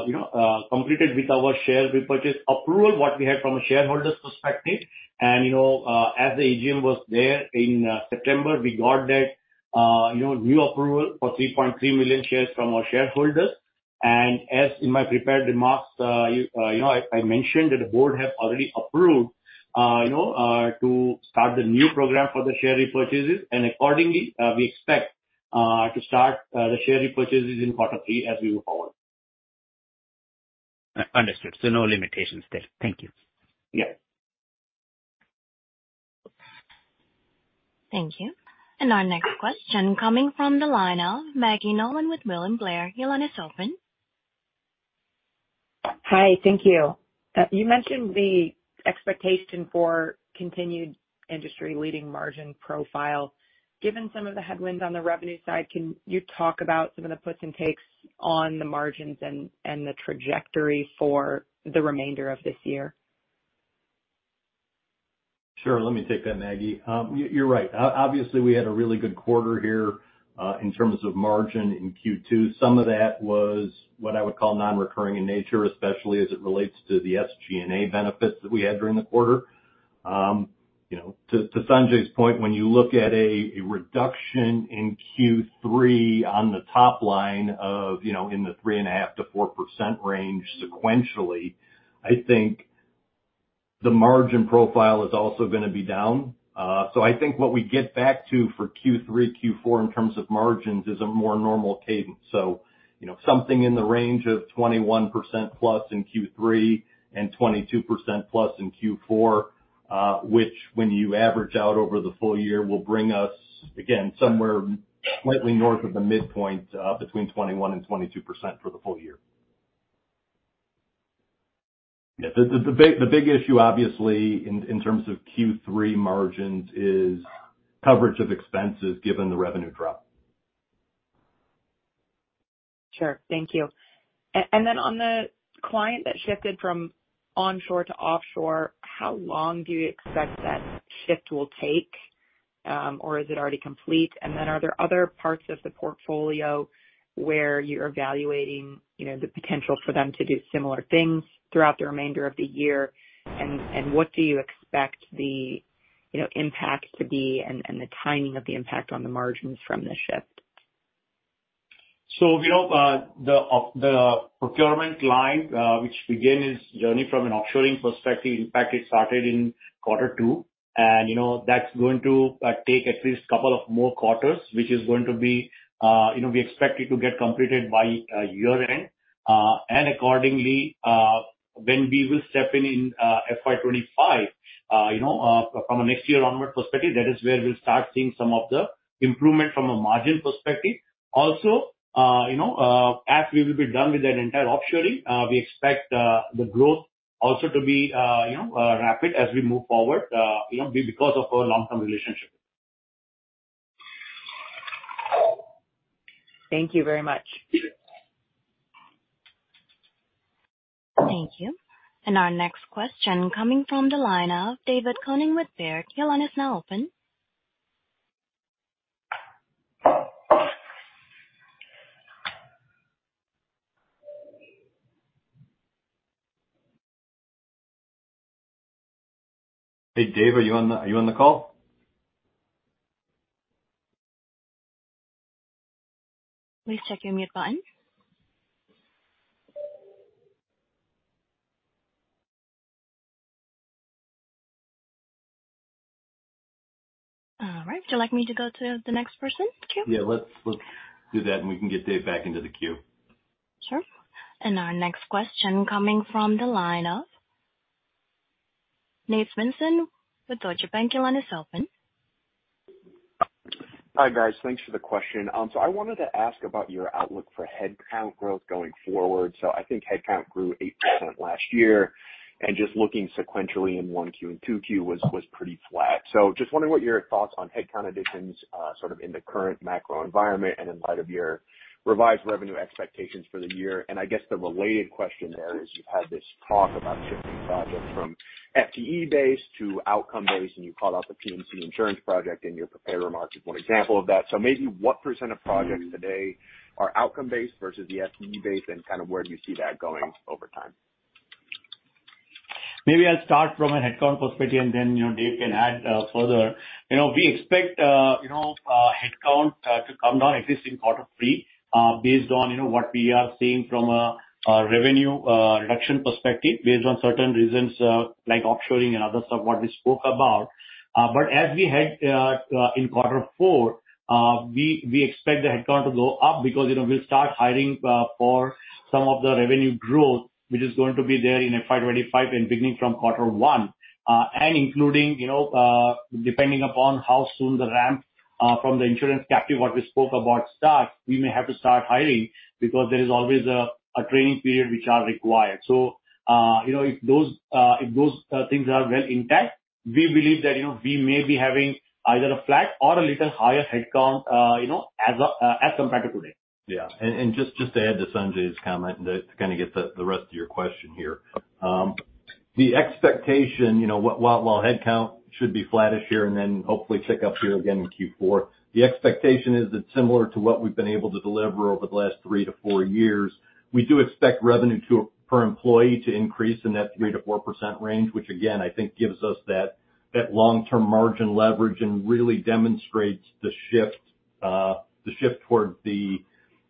you know, completed with our share repurchase approval, what we had from a shareholder's perspective. And, you know, as the AGM was there in, September, we got that, you know, new approval for 3.3 million shares from our shareholders. And as in my prepared remarks, you know, I mentioned that the board have already approved, you know, to start the new program for the share repurchases. And accordingly, we expect to start the share repurchases in quarter three as we move forward. Understood. So no limitations there. Thank you. Yes. Thank you. And our next question coming from the line of Maggie Nolan with William Blair. Your line is open. Hi, thank you. You mentioned the expectation for continued industry-leading margin profile. Given some of the headwinds on the revenue side, can you talk about some of the puts and takes on the margins and the trajectory for the remainder of this year? Sure. Let me take that, Maggie. You're right. Obviously, we had a really good quarter here in terms of margin in Q2. Some of that was what I would call non-recurring in nature, especially as it relates to the SG&A benefits that we had during the quarter. You know, to Sanjay's point, when you look at a reduction in Q3 on the top line of in the 3.5%-4% range sequentially, I think the margin profile is also gonna be down. So I think what we get back to for Q3, Q4 in terms of margins is a more normal cadence. So, you know, something in the range of 21%+ in Q3 and 22%+ in Q4, which when you average out over the full year, will bring us, again, somewhere slightly north of the midpoint between 21%-22% for the full year. Yeah, the big issue obviously in terms of Q3 margins is coverage of expenses given the revenue drop. Sure. Thank you. And then on the client that shifted from onshore to offshore, how long do you expect that shift will take? Or is it already complete? And then are there other parts of the portfolio where you're evaluating, you know, the potential for them to do similar things throughout the remainder of the year? And what do you expect the, you know, impact to be and the timing of the impact on the margins from this shift? So, you know, the procurement line, which began its journey from an offshoring perspective, in fact, it started in quarter two, and, you know, that's going to take at least a couple of more quarters, which is going to be, you know, we expect it to get completed by year-end. And accordingly, when we will step in in FY 2025, you know, from a next year onward perspective, that is where we'll start seeing some of the improvement from a margin perspective. Also, you know, as we will be done with that entire offshoring, we expect the growth also to be, you know, rapid as we move forward, you know, because of our long-term relationship. Thank you very much. Thank you. Our next question coming from the line of David Koning with Baird. Your line is now open. Hey, Dave, are you on the call? Please check your mute button. All right, would you like me to go to the next person in queue? Yeah, let's, let's do that, and we can get Dave back into the queue. Sure. Our next question coming from the line of Nate Svensson with Deutsche Bank. Your line is open. Hi, guys. Thanks for the question. So I wanted to ask about your outlook for headcount growth going forward. So I think headcount grew 8% last year, and just looking sequentially in Q1 and Q2 was pretty flat. So just wondering what your thoughts on headcount additions, sort of in the current macro environment and in light of your revised revenue expectations for the year. And I guess the related question there is, you've had this talk about shifting projects from FTE-based to outcome-based, and you called out the P&C insurance project in your prepared remarks as one example of that. So maybe what percent of projects today are outcome-based versus FTE-based, and kind of where do you see that going over time? Maybe I'll start from a headcount perspective, and then, you know, Dave can add further. You know, we expect headcount to come down at least in quarter three, based on what we are seeing from a revenue reduction perspective, based on certain reasons, like offshoring and other stuff, what we spoke about. But as we head in quarter four, we expect the headcount to go up because, you know, we'll start hiring for some of the revenue growth, which is going to be there in FY 2025 and beginning from quarter one. And including, you know, depending upon how soon the ramp from the insurance captive, what we spoke about starts, we may have to start hiring because there is always a training period which are required. So, you know, if those things are well intact, we believe that, you know, we may be having either a flat or a little higher headcount, you know, as compared to today. Yeah. And just to add to Sanjay's comment, and to kind of get to the rest of your question here. The expectation, you know, while headcount should be flattish here and then hopefully tick up here again in Q4, the expectation is that similar to what we've been able to deliver over the last three to four years, we do expect revenue per employee to increase in that 3%-4% range, which again, I think gives us that long-term margin leverage and really demonstrates the shift towards the,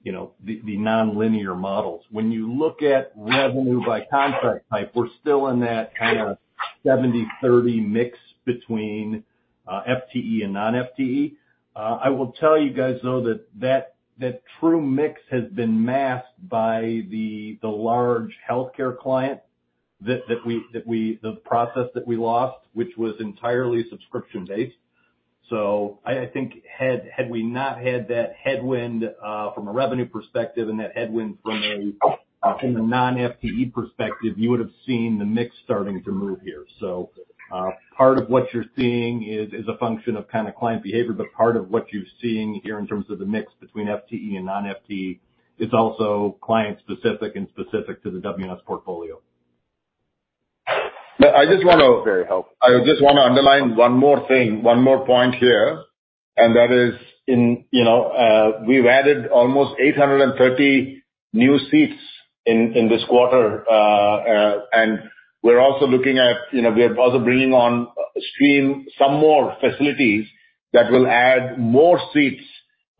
you know, the nonlinear models. When you look at revenue by contract type, we're still in that kind of 70/30 mix between FTE and non-FTE. I will tell you guys, though, that that true mix has been masked by the large healthcare client that we... The process that we lost, which was entirely subscription-based. So I think had we not had that headwind from a revenue perspective and that headwind from the non-FTE perspective, you would have seen the mix starting to move here. So part of what you're seeing is a function of kind of client behavior, but part of what you're seeing here in terms of the mix between FTE and non-FTE, it's also client specific and specific to the WNS portfolio. Yeah, I just want to- Very helpful. I just want to underline one more thing, one more point here, and that is, you know, we've added almost 830 new seats in this quarter. And we're also looking at, you know, we are also bringing on stream some more facilities that will add more seats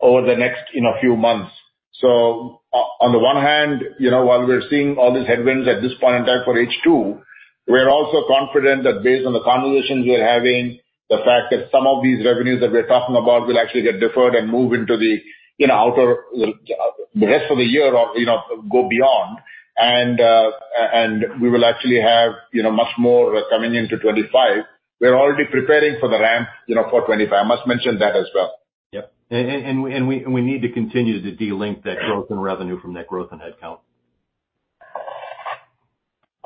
over the next, you know, few months. So on the one hand, you know, while we're seeing all these headwinds at this point in time for H2, we're also confident that based on the conversations we're having, the fact that some of these revenues that we're talking about will actually get deferred and move into the, you know, outer, the rest of the year or, you know, go beyond. And we will actually have, you know, much more coming into 2025. We're already preparing for the ramp, you know, for 2025. I must mention that as well. Yep. And we need to continue to de-link that growth in revenue from that growth in headcount.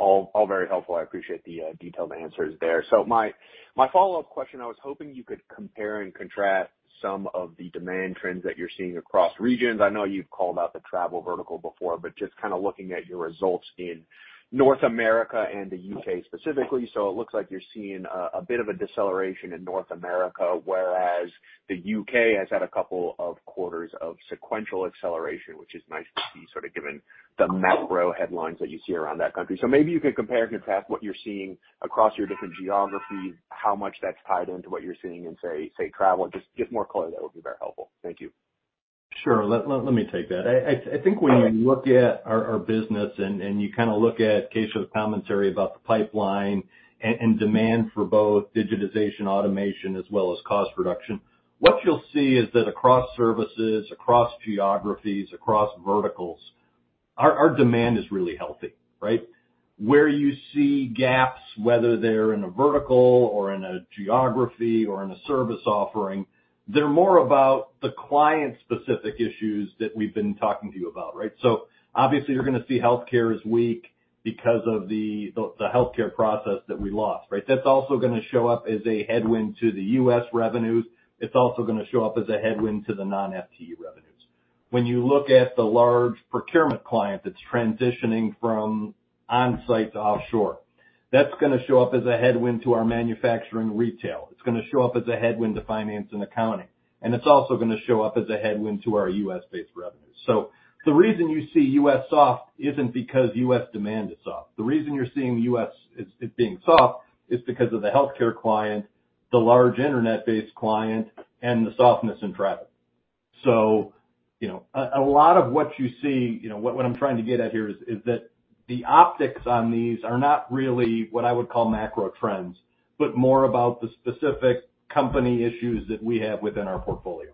All, all very helpful. I appreciate the detailed answers there. So my, my follow-up question, I was hoping you could compare and contrast some of the demand trends that you're seeing across regions. I know you've called out the travel vertical before, but just kind of looking at your results in North America and the U.K. specifically. So it looks like you're seeing a bit of a deceleration in North America, whereas the U.K. has had a couple of quarters of sequential acceleration, which is nice to see, sort of given the macro headlines that you see around that country. So maybe you could compare and contrast what you're seeing across your different geographies, how much that's tied into what you're seeing in, say, travel. Just give more color, that would be very helpful. Thank you. Sure. Let me take that. I think when you look at our business and you kind of look at Keshav's commentary about the pipeline and demand for both digitization, automation, as well as cost reduction, what you'll see is that across services, across geographies, across verticals, our demand is really healthy, right? Where you see gaps, whether they're in a vertical or in a geography or in a service offering, they're more about the client-specific issues that we've been talking to you about, right? So obviously, you're gonna see healthcare is weak because of the healthcare process that we lost, right? That's also gonna show up as a headwind to the U.S. revenues. It's also gonna show up as a headwind to the non-FTE revenues. When you look at the large procurement client that's transitioning from on-site to offshore, that's gonna show up as a headwind to our manufacturing retail. It's gonna show up as a headwind to finance and accounting, and it's also gonna show up as a headwind to our U.S.-based revenues. So the reason you see U.S. soft isn't because U.S. demand is soft. The reason you're seeing U.S. it's, it being soft is because of the healthcare client, the large internet-based client, and the softness in travel. So, you know, a lot of what you see. You know, what I'm trying to get at here is that the optics on these are not really what I would call macro trends, but more about the specific company issues that we have within our portfolio.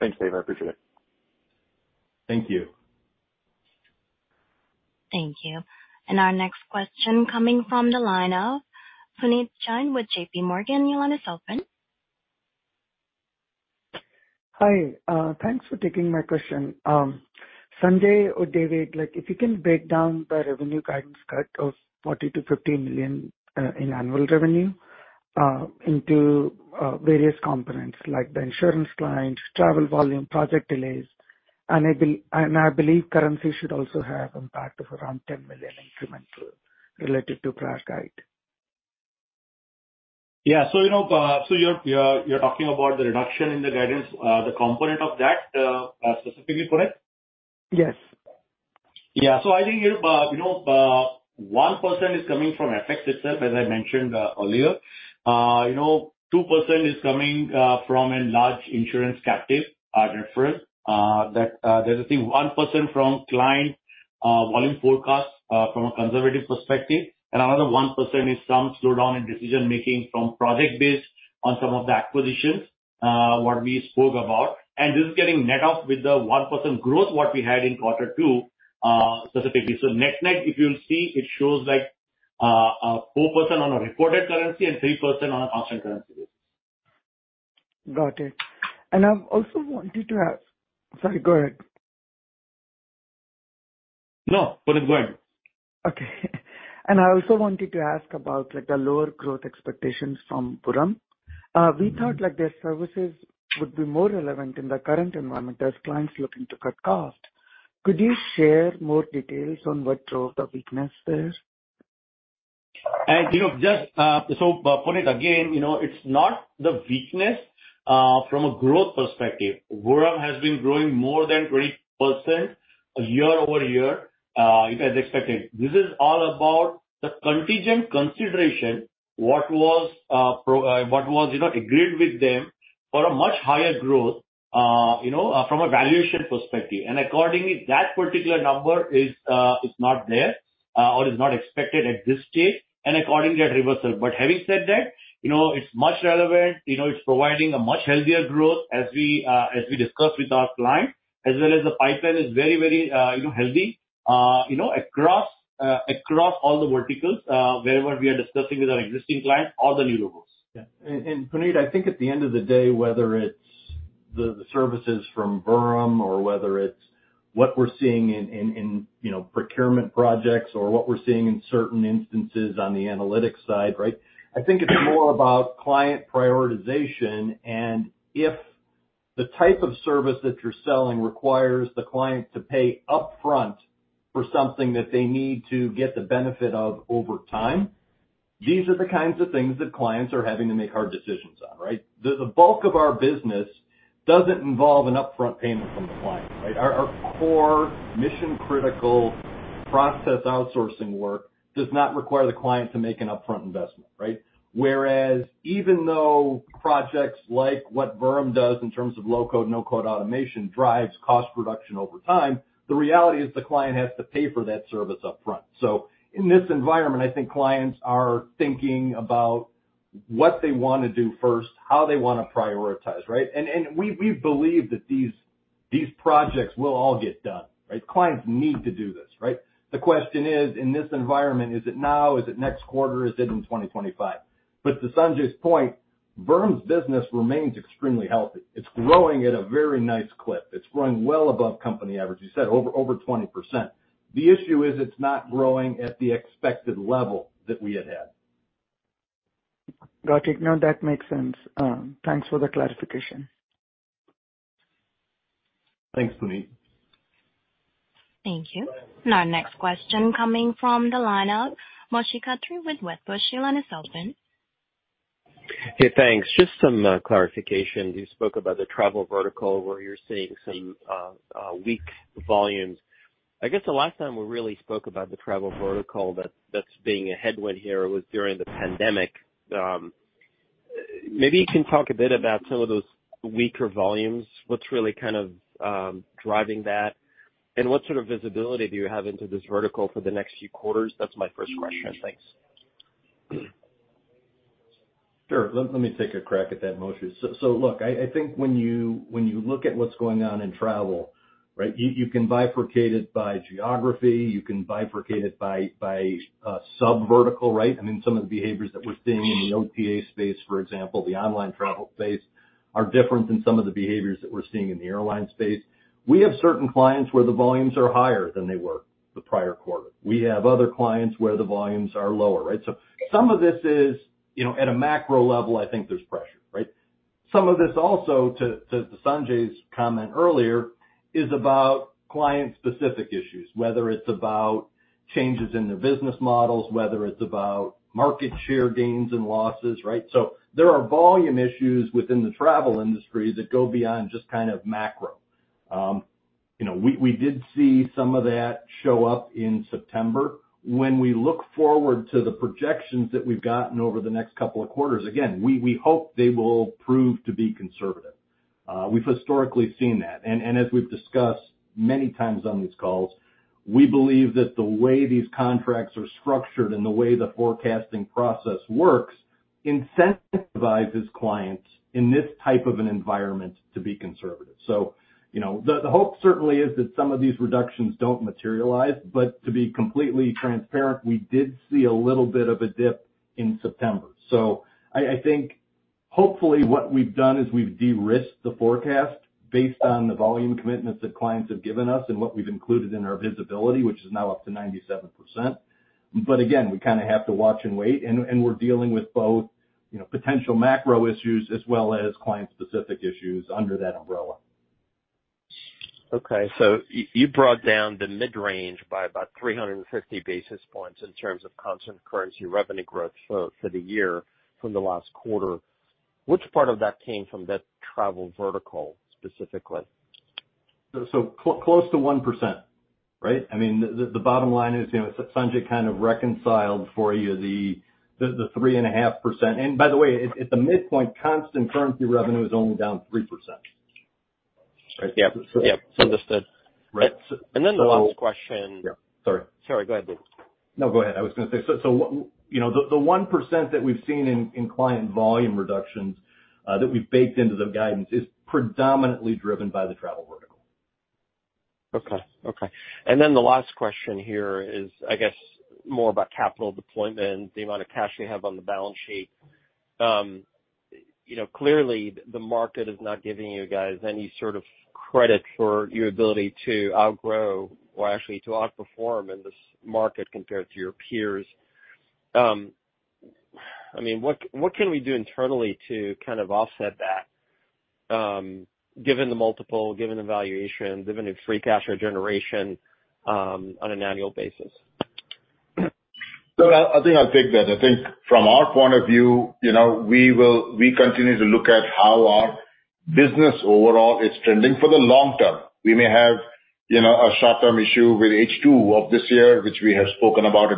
Thanks, Dave. I appreciate it. Thank you. Thank you. Our next question coming from the line of Puneet Jain with JPMorgan. Your line is open. Hi, thanks for taking my question. Sanjay or David, like, if you can break down the revenue guidance cut of $40 million-$50 million in annual revenue into various components like the insurance clients, travel volume, project delays, and I believe currency should also have impact of around $10 million incremental related to prior guide. Yeah. So, you know, so you're talking about the reduction in the guidance, the component of that, specifically, Puneet? Yes. Yeah. So I think you know, 1% is coming from effects itself, as I mentioned earlier. You know, 2% is coming from a large insurance captive are referral. That there is a 1% from client volume forecast from a conservative perspective, and another 1% is some slowdown in decision-making from project-based on some of the acquisitions what we spoke about. And this is getting net off with the 1% growth what we had in quarter two specifically. So net-net, if you'll see, it shows like 4% on a reported currency and 3% on a constant currency basis. Got it. And I also wanted to ask... Sorry, go ahead. No, Puneet, go ahead. Okay. And I also wanted to ask about, like, the lower growth expectations from Vuram. We thought, like, their services would be more relevant in the current environment as clients looking to cut cost. Could you share more details on what drove the weaknesses? You know, just, so, Puneet, again, you know, it's not the weakness from a growth perspective. Vuram has been growing more than 20% year-over-year, as expected. This is all about the contingent consideration, what was agreed with them for a much higher growth, you know, from a valuation perspective. And accordingly, that particular number is not there or is not expected at this stage, and accordingly, that reversal. But having said that, you know, it's much relevant, you know, it's providing a much healthier growth as we discuss with our clients, as well as the pipeline is very, very, you know, healthy, you know, across all the verticals, wherever we are discussing with our existing clients or the new logos. Yeah. And, Puneet, I think at the end of the day, whether it's the services from Vuram or whether it's what we're seeing in, you know, procurement projects or what we're seeing in certain instances on the analytics side, right? I think it's more about client prioritization, and if the type of service that you're selling requires the client to pay upfront for something that they need to get the benefit of over time, these are the kinds of things that clients are having to make hard decisions on, right? The bulk of our business doesn't involve an upfront payment from the client, right? Our core mission-critical process outsourcing work does not require the client to make an upfront investment, right? Whereas even though projects like what Vuram does in terms of low-code, no-code automation drives cost reduction over time, the reality is the client has to pay for that service upfront. So in this environment, I think clients are thinking about what they wanna do first, how they wanna prioritize, right? And, and we, we believe that these, these projects will all get done, right? Clients need to do this, right? The question is: In this environment, is it now, is it next quarter, is it in 2025? But to Sanjay's point, Vuram's business remains extremely healthy. It's growing at a very nice clip. It's growing well above company average. You said over, over 20%. The issue is it's not growing at the expected level that we had had. Got it. No, that makes sense. Thanks for the clarification. Thanks, Puneet. Thank you. Our next question coming from the line of Moshe Katri with Wedbush. Your line is open. Hey, thanks. Just some clarification. You spoke about the travel vertical, where you're seeing some weak volumes. I guess the last time we really spoke about the travel vertical, that's being a headwind here was during the pandemic. Maybe you can talk a bit about some of those weaker volumes. What's really kind of driving that, and what sort of visibility do you have into this vertical for the next few quarters? That's my first question. Thanks. Sure. Let me take a crack at that, Moshe. So look, I think when you look at what's going on in travel, right, you can bifurcate it by geography, you can bifurcate it by sub-vertical, right? I mean, some of the behaviors that we're seeing in the OTA space, for example, the online travel space, are different than some of the behaviors that we're seeing in the airline space. We have certain clients where the volumes are higher than they were the prior quarter. We have other clients where the volumes are lower, right? So some of this is, you know, at a macro level, I think there's pressure, right? Some of this also, to Sanjay's comment earlier, is about client-specific issues, whether it's about changes in their business models, whether it's about market share gains and losses, right? So there are volume issues within the travel industry that go beyond just kind of macro. You know, we, we did see some of that show up in September. When we look forward to the projections that we've gotten over the next couple of quarters, again, we, we hope they will prove to be conservative. We've historically seen that. And as we've discussed many times on these calls, we believe that the way these contracts are structured and the way the forecasting process works, incentivizes clients in this type of an environment to be conservative. So, you know, the hope certainly is that some of these reductions don't materialize, but to be completely transparent, we did see a little bit of a dip in September. So I think hopefully what we've done is we've de-risked the forecast based on the volume commitments that clients have given us and what we've included in our visibility, which is now up to 97%. But again, we kind of have to watch and wait, and we're dealing with both, you know, potential macro issues as well as client-specific issues under that umbrella. Okay, so you brought down the mid-range by about 350 basis points in terms of constant currency revenue growth for the year from the last quarter. Which part of that came from that travel vertical specifically? So close to 1%, right? I mean, the bottom line is, you know, Sanjay kind of reconciled for you the 3.5%. And by the way, at the midpoint, constant currency revenue is only down 3%. Right. Yep, yep. Understood. Right. And then the last question- Yeah. Sorry. Sorry, go ahead, Dave. No, go ahead. I was gonna say, so, you know, the 1% that we've seen in client volume reductions that we've baked into the guidance is predominantly driven by the travel vertical. Okay. Okay. And then the last question here is, I guess, more about capital deployment and the amount of cash you have on the balance sheet. You know, clearly the market is not giving you guys any sort of credit for your ability to outgrow or actually to outperform in this market compared to your peers. I mean, what, what can we do internally to kind of offset that, given the multiple, given the valuation, given the free cash flow generation, on an annual basis? So I think I'll take that. I think from our point of view, you know, we continue to look at how our business overall is trending for the long term. We may have, you know, a short-term issue with H2 of this year, which we have spoken about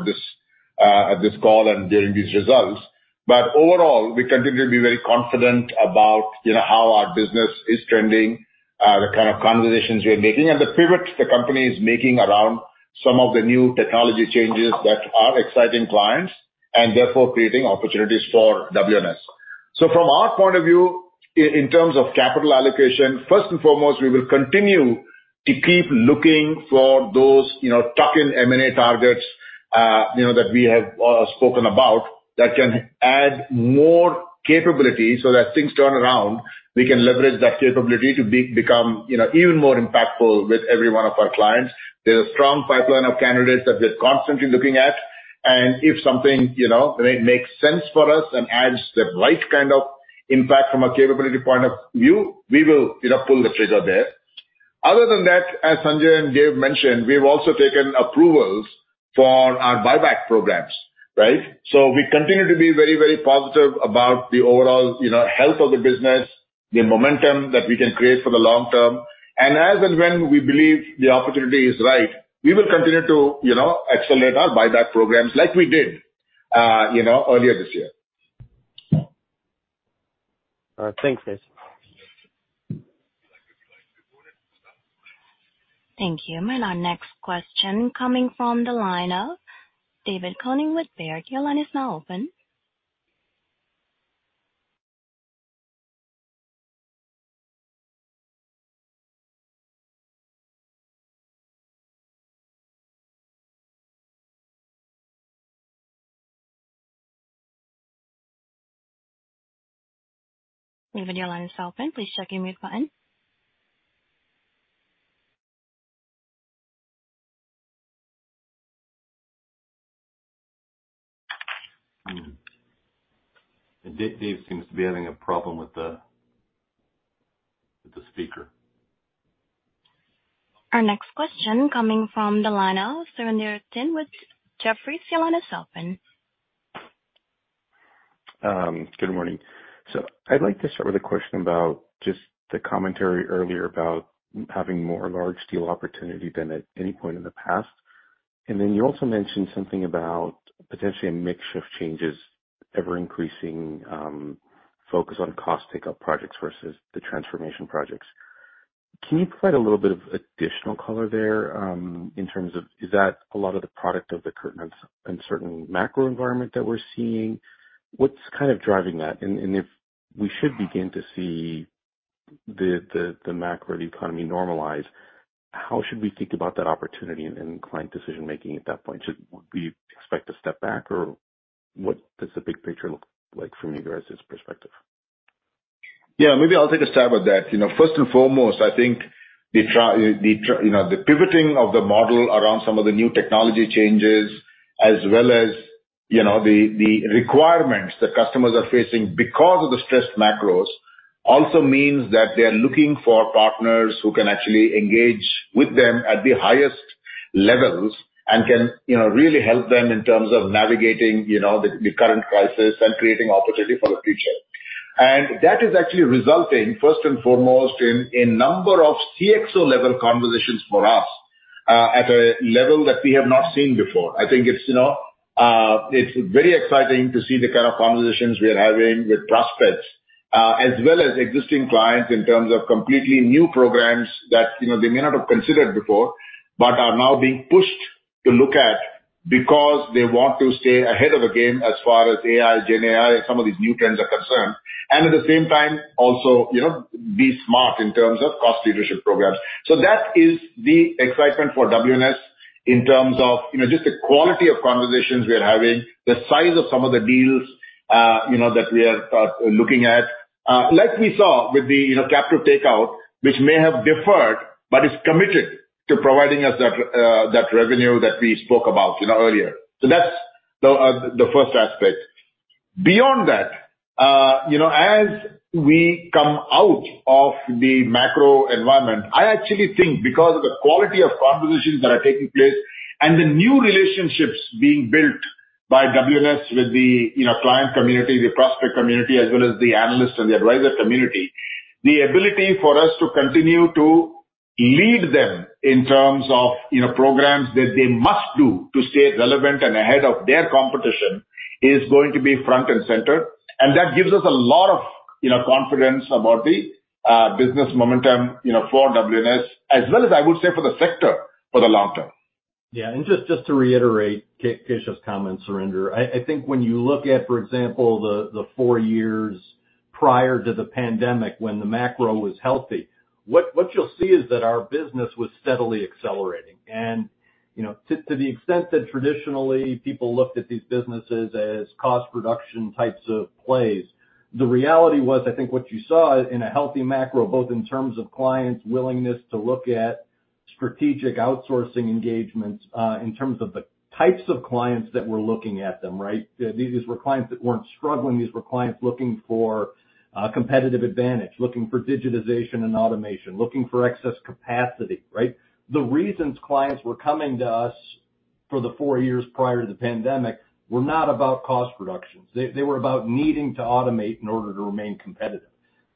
at this call and during these results. But overall, we continue to be very confident about, you know, how our business is trending, the kind of conversations we are making, and the pivot the company is making around some of the new technology changes that are exciting clients, and therefore creating opportunities for WNS. So from our point of view, in terms of capital allocation, first and foremost, we will continue to keep looking for those, you know, tuck-in M&A targets, you know, that we have spoken about, that can add more capability, so that things turn around, we can leverage that capability to become, you know, even more impactful with every one of our clients. There's a strong pipeline of candidates that we're constantly looking at, and if something, you know, makes sense for us and adds the right kind of impact from a capability point of view, we will, you know, pull the trigger there. Other than that, as Sanjay and Dave mentioned, we've also taken approvals for our buyback programs, right? So we continue to be very, very positive about the overall, you know, health of the business, the momentum that we can create for the long term, and as and when we believe the opportunity is right, we will continue to, you know, accelerate our buyback programs like we did, you know, earlier this year. Thanks, Keshav. Thank you. Thank you. And our next question coming from the line of David Koning with Baird. Your line is now open. David, your line is still open. Please check your mute button. Dave seems to be having a problem with the speaker. Our next question coming from the line of Surinder Thind with Jefferies. Your line is open. Good morning. So I'd like to start with a question about just the commentary earlier about having more large deal opportunity than at any point in the past. And then you also mentioned something about potentially a mix of changes, ever-increasing focus on cost take-up projects versus the transformation projects. Can you provide a little bit of additional color there in terms of, is that a lot of the product of the current uncertain macro environment that we're seeing? What's kind of driving that? And if we should begin to see the macro or the economy normalize, how should we think about that opportunity and client decision-making at that point? Should we expect a step back, or what does the big picture look like from you guys' perspective? Yeah, maybe I'll take a stab at that. You know, first and foremost, I think you know, the pivoting of the model around some of the new technology changes as well as, you know, the requirements that customers are facing because of the stressed macros, also means that they are looking for partners who can actually engage with them at the highest levels, and can, you know, really help them in terms of navigating, you know, the current crisis and creating opportunity for the future. And that is actually resulting, first and foremost, in a number of CXO-level conversations for us, at a level that we have not seen before. I think it's, you know, it's very exciting to see the kind of conversations we are having with prospects, as well as existing clients in terms of completely new programs that, you know, they may not have considered before, but are now being pushed to look at because they want to stay ahead of the game as far as AI, GenAI, and some of these new trends are concerned, and at the same time, also, you know, be smart in terms of cost leadership programs. So that is the excitement for WNS in terms of, you know, just the quality of conversations we are having, the size of some of the deals, you know, that we are, looking at. Like we saw with the, you know, captive takeout, which may have deferred but is committed to providing us that, that revenue that we spoke about, you know, earlier. So that's the, the first aspect. Beyond that, you know, as we come out of the macro environment, I actually think because of the quality of conversations that are taking place and the new relationships being built by WNS with the, you know, client community, the prospect community, as well as the analyst and the advisor community, the ability for us to continue to lead them in terms of, you know, programs that they must do to stay relevant and ahead of their competition, is going to be front and center. And that gives us a lot of, you know, confidence about the business momentum, you know, for WNS, as well as, I would say, for the sector for the long term. Yeah, and just to reiterate Keshav's comment, Surinder, I think when you look at, for example, the four years prior to the pandemic, when the macro was healthy, what you'll see is that our business was steadily accelerating. And, you know, to the extent that traditionally people looked at these businesses as cost reduction types of plays, the reality was, I think what you saw in a healthy macro, both in terms of clients' willingness to look at strategic outsourcing engagements, in terms of the types of clients that were looking at them, right? These were clients that weren't struggling. These were clients looking for competitive advantage, looking for digitization and automation, looking for excess capacity, right? The reasons clients were coming to us for the four years prior to the pandemic were not about cost reductions. They were about needing to automate in order to remain competitive.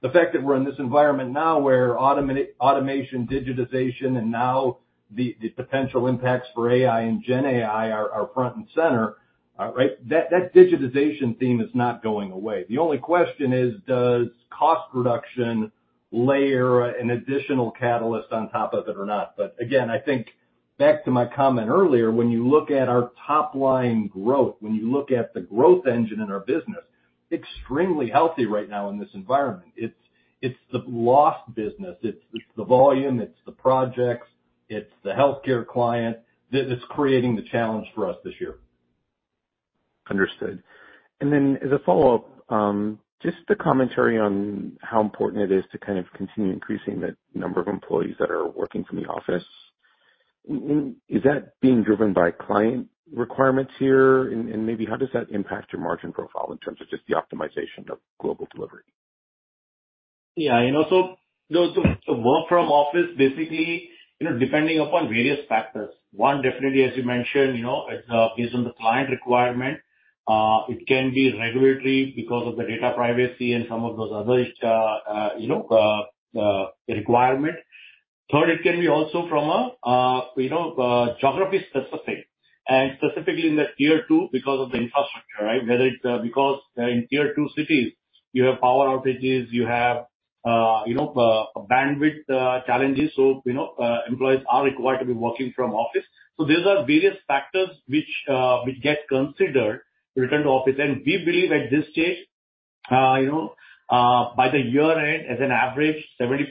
The fact that we're in this environment now, where automation, digitization, and now the potential impacts for AI and GenAI are front and center, right? That digitization theme is not going away. The only question is: Does cost reduction layer an additional catalyst on top of it or not? But again, I think back to my comment earlier, when you look at our top line growth, when you look at the growth engine in our business, extremely healthy right now in this environment. It's the lost business, it's the volume, it's the projects, it's the healthcare client that is creating the challenge for us this year. Understood. And then as a follow-up, just a commentary on how important it is to kind of continue increasing the number of employees that are working from the office. Is that being driven by client requirements here? And maybe how does that impact your margin profile in terms of just the optimization of global delivery? Yeah, you know, so the work from office, basically, you know, depending upon various factors. One, definitely as you mentioned, you know, it's based on the client requirement. It can be regulatory because of the data privacy and some of those other, you know, requirements. Third, it can be also from a, you know, geography specific, and specifically in the Tier 2, because of the infrastructure, right? Whether it's because in Tier 2 cities, you have power outages, you have, you know, bandwidth challenges. So, you know, employees are required to be working from office. So these are various factors which get considered return to office. We believe at this stage, you know, by the year-end, as an average, 70%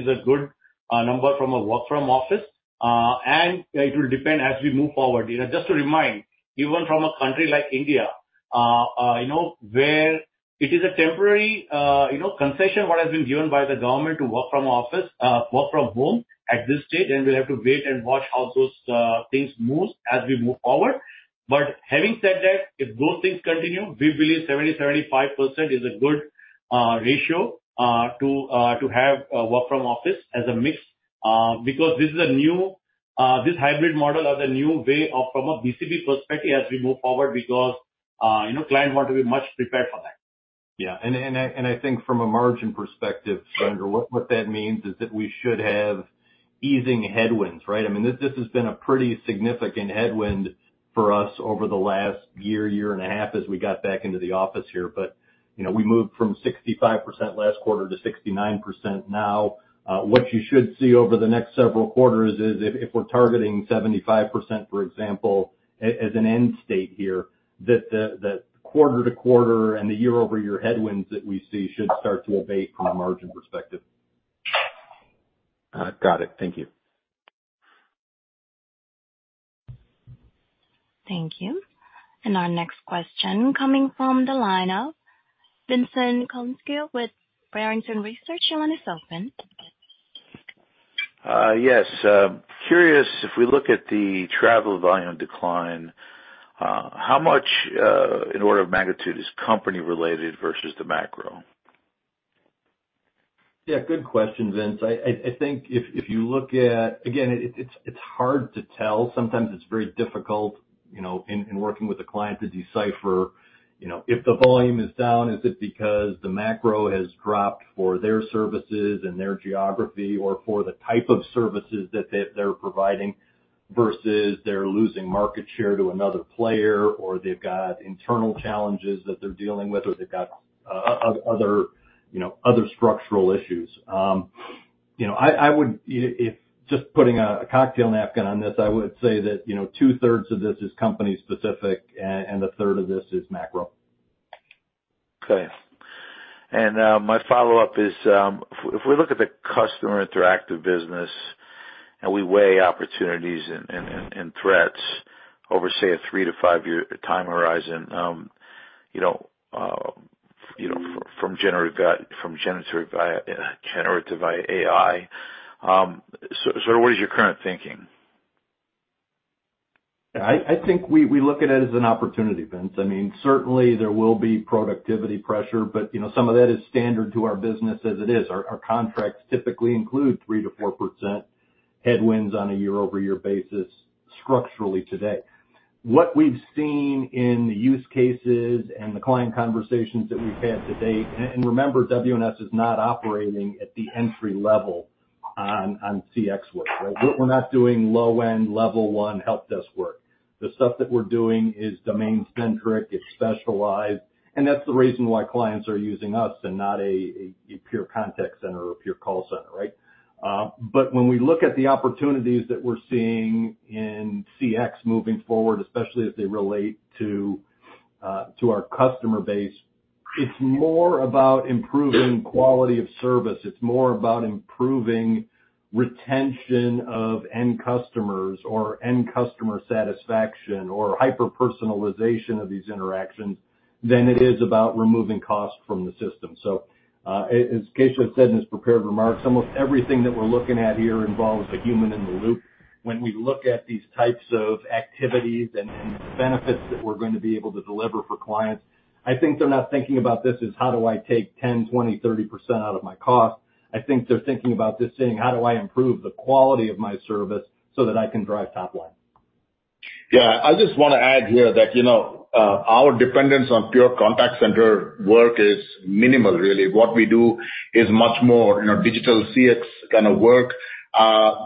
is a good number from a work from office, and it will depend as we move forward. You know, just to remind, even from a country like India, you know, where it is a temporary, you know, concession, what has been given by the government to work from office, work from home at this stage, and we have to wait and watch how those things move as we move forward. But having said that, if those things continue, we believe 70%-75% is a good ratio to to have work from office as a mix, because this is a new. This hybrid model is a new way of, from a BCP perspective, as we move forward, because, you know, clients want to be much prepared for that. Yeah, and I think from a margin perspective, Surinder, what that means is that we should have easing headwinds, right? I mean, this has been a pretty significant headwind for us over the last year and a half, as we got back into the office here. But, you know, we moved from 65% last quarter to 69% now. What you should see over the next several quarters is if we're targeting 75%, for example, as an end state here, that the quarter-to-quarter and the year-over-year headwinds that we see should start to abate from a margin perspective. Got it. Thank you. Thank you. Our next question coming from the line of Vincent Colicchio with Barrington Research. Your line is open. Yes, curious, if we look at the travel volume decline, how much, in order of magnitude is company related versus the macro? Yeah, good question, Vince. I think if you look at—again, it's hard to tell. Sometimes it's very difficult, you know, in working with a client to decipher, you know, if the volume is down, is it because the macro has dropped for their services and their geography, or for the type of services that they're providing, versus they're losing market share to another player, or they've got internal challenges that they're dealing with, or they've got other, you know, other structural issues? You know, I would, if just putting a cocktail napkin on this, I would say that, you know, 2/3 of this is company specific, and 1/3 of this is macro. Okay. My follow-up is, if we look at the customer interactive business, and we weigh opportunities and threats over, say, a three-five year time horizon, you know, from generative AI, so what is your current thinking? I think we look at it as an opportunity, Vince. I mean, certainly there will be productivity pressure, but, you know, some of that is standard to our business as it is. Our contracts typically include 3%-4% headwinds on a year-over-year basis structurally today. What we've seen in the use cases and the client conversations that we've had to date, and remember, WNS is not operating at the entry level on CX work, right? We're not doing low-end, level one help desk work. The stuff that we're doing is domain centric, it's specialized, and that's the reason why clients are using us and not a pure contact center or a pure call center, right? But when we look at the opportunities that we're seeing in CX moving forward, especially as they relate to our customer base, it's more about improving quality of service. It's more about improving retention of end customers or end customer satisfaction or hyper-personalization of these interactions than it is about removing costs from the system. So, as Keshav said in his prepared remarks, almost everything that we're looking at here involves a human in the loop. When we look at these types of activities and, and benefits that we're going to be able to deliver for clients, I think they're not thinking about this as how do I take 10%, 20%, 30% out of my cost? I think they're thinking about this, saying: How do I improve the quality of my service so that I can drive top line? Yeah. I just want to add here that, you know, our dependence on pure contact center work is minimal, really. What we do is much more, you know, digital CX kind of work,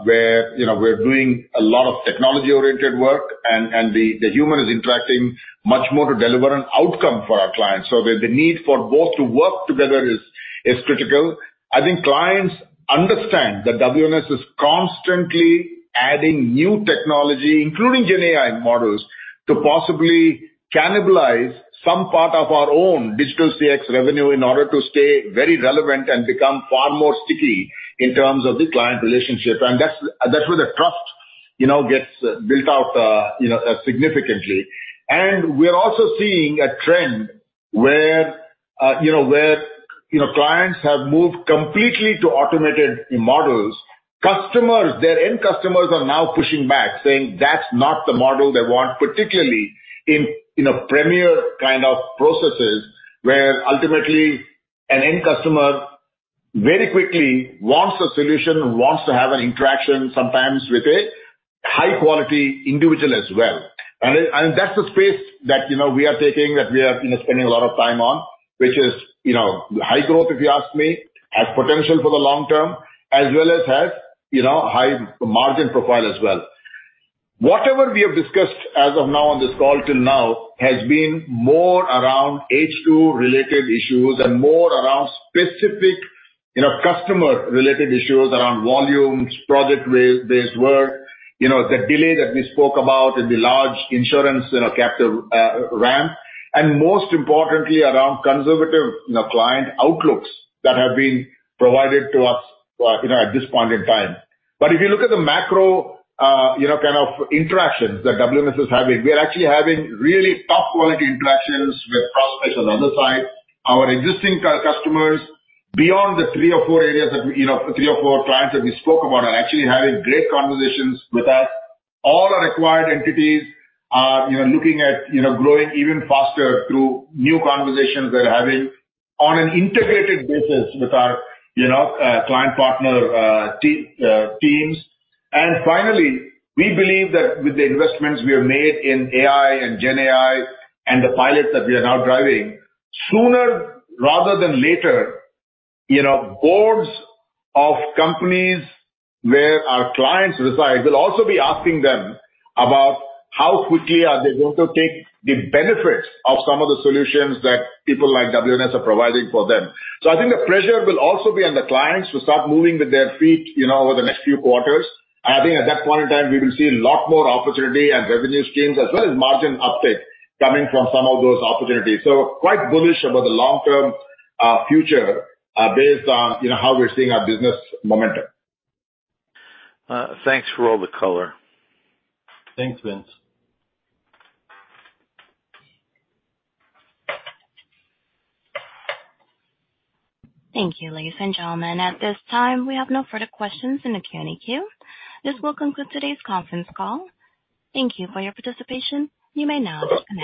where, you know, we're doing a lot of technology-oriented work and the human is interacting much more to deliver an outcome for our clients. So the need for both to work together is critical. I think clients understand that WNS is constantly adding new technology, including GenAI models, to possibly cannibalize some part of our own digital CX revenue in order to stay very relevant and become far more sticky in terms of the client relationship. And that's where the trust, you know, gets built out, you know, significantly. We are also seeing a trend where, you know, where, you know, clients have moved completely to automated models. Customers, their end customers, are now pushing back, saying that's not the model they want, particularly in a premier kind of processes, where ultimately an end customer very quickly wants a solution, wants to have an interaction sometimes with a high quality individual as well. And that's the space that, you know, we are taking, that we are, you know, spending a lot of time on, which is, you know, high growth, if you ask me, has potential for the long term as well as has, you know, high margin profile as well. Whatever we have discussed as of now on this call till now has been more around H2 related issues and more around specific, you know, customer related issues, around volumes, project-based work, you know, the delay that we spoke about in the large insurance, you know, captive ramp, and most importantly, around conservative, you know, client outlooks that have been provided to us, you know, at this point in time. But if you look at the macro, you know, kind of interactions that WNS is having, we are actually having really top quality interactions with prospects on the other side. Our existing customers, beyond the three or four areas that, you know, three or four clients that we spoke about, are actually having great conversations with us. All our acquired entities are, you know, looking at, you know, growing even faster through new conversations we're having on an integrated basis with our, you know, client partner teams. And finally, we believe that with the investments we have made in AI and Gen AI and the pilots that we are now driving, sooner rather than later, you know, boards of companies where our clients reside will also be asking them about how quickly are they going to take the benefits of some of the solutions that people like WNS are providing for them. So I think the pressure will also be on the clients to start moving with their feet, you know, over the next few quarters. I think at that point in time, we will see a lot more opportunity and revenue streams as well as margin uptake coming from some of those opportunities. Quite bullish about the long-term future, based on, you know, how we're seeing our business momentum. Thanks for all the color. Thanks, Vincent. Thank you, ladies and gentlemen. At this time, we have no further questions in the Q&A queue. This will conclude today's conference call. Thank you for your participation. You may now disconnect.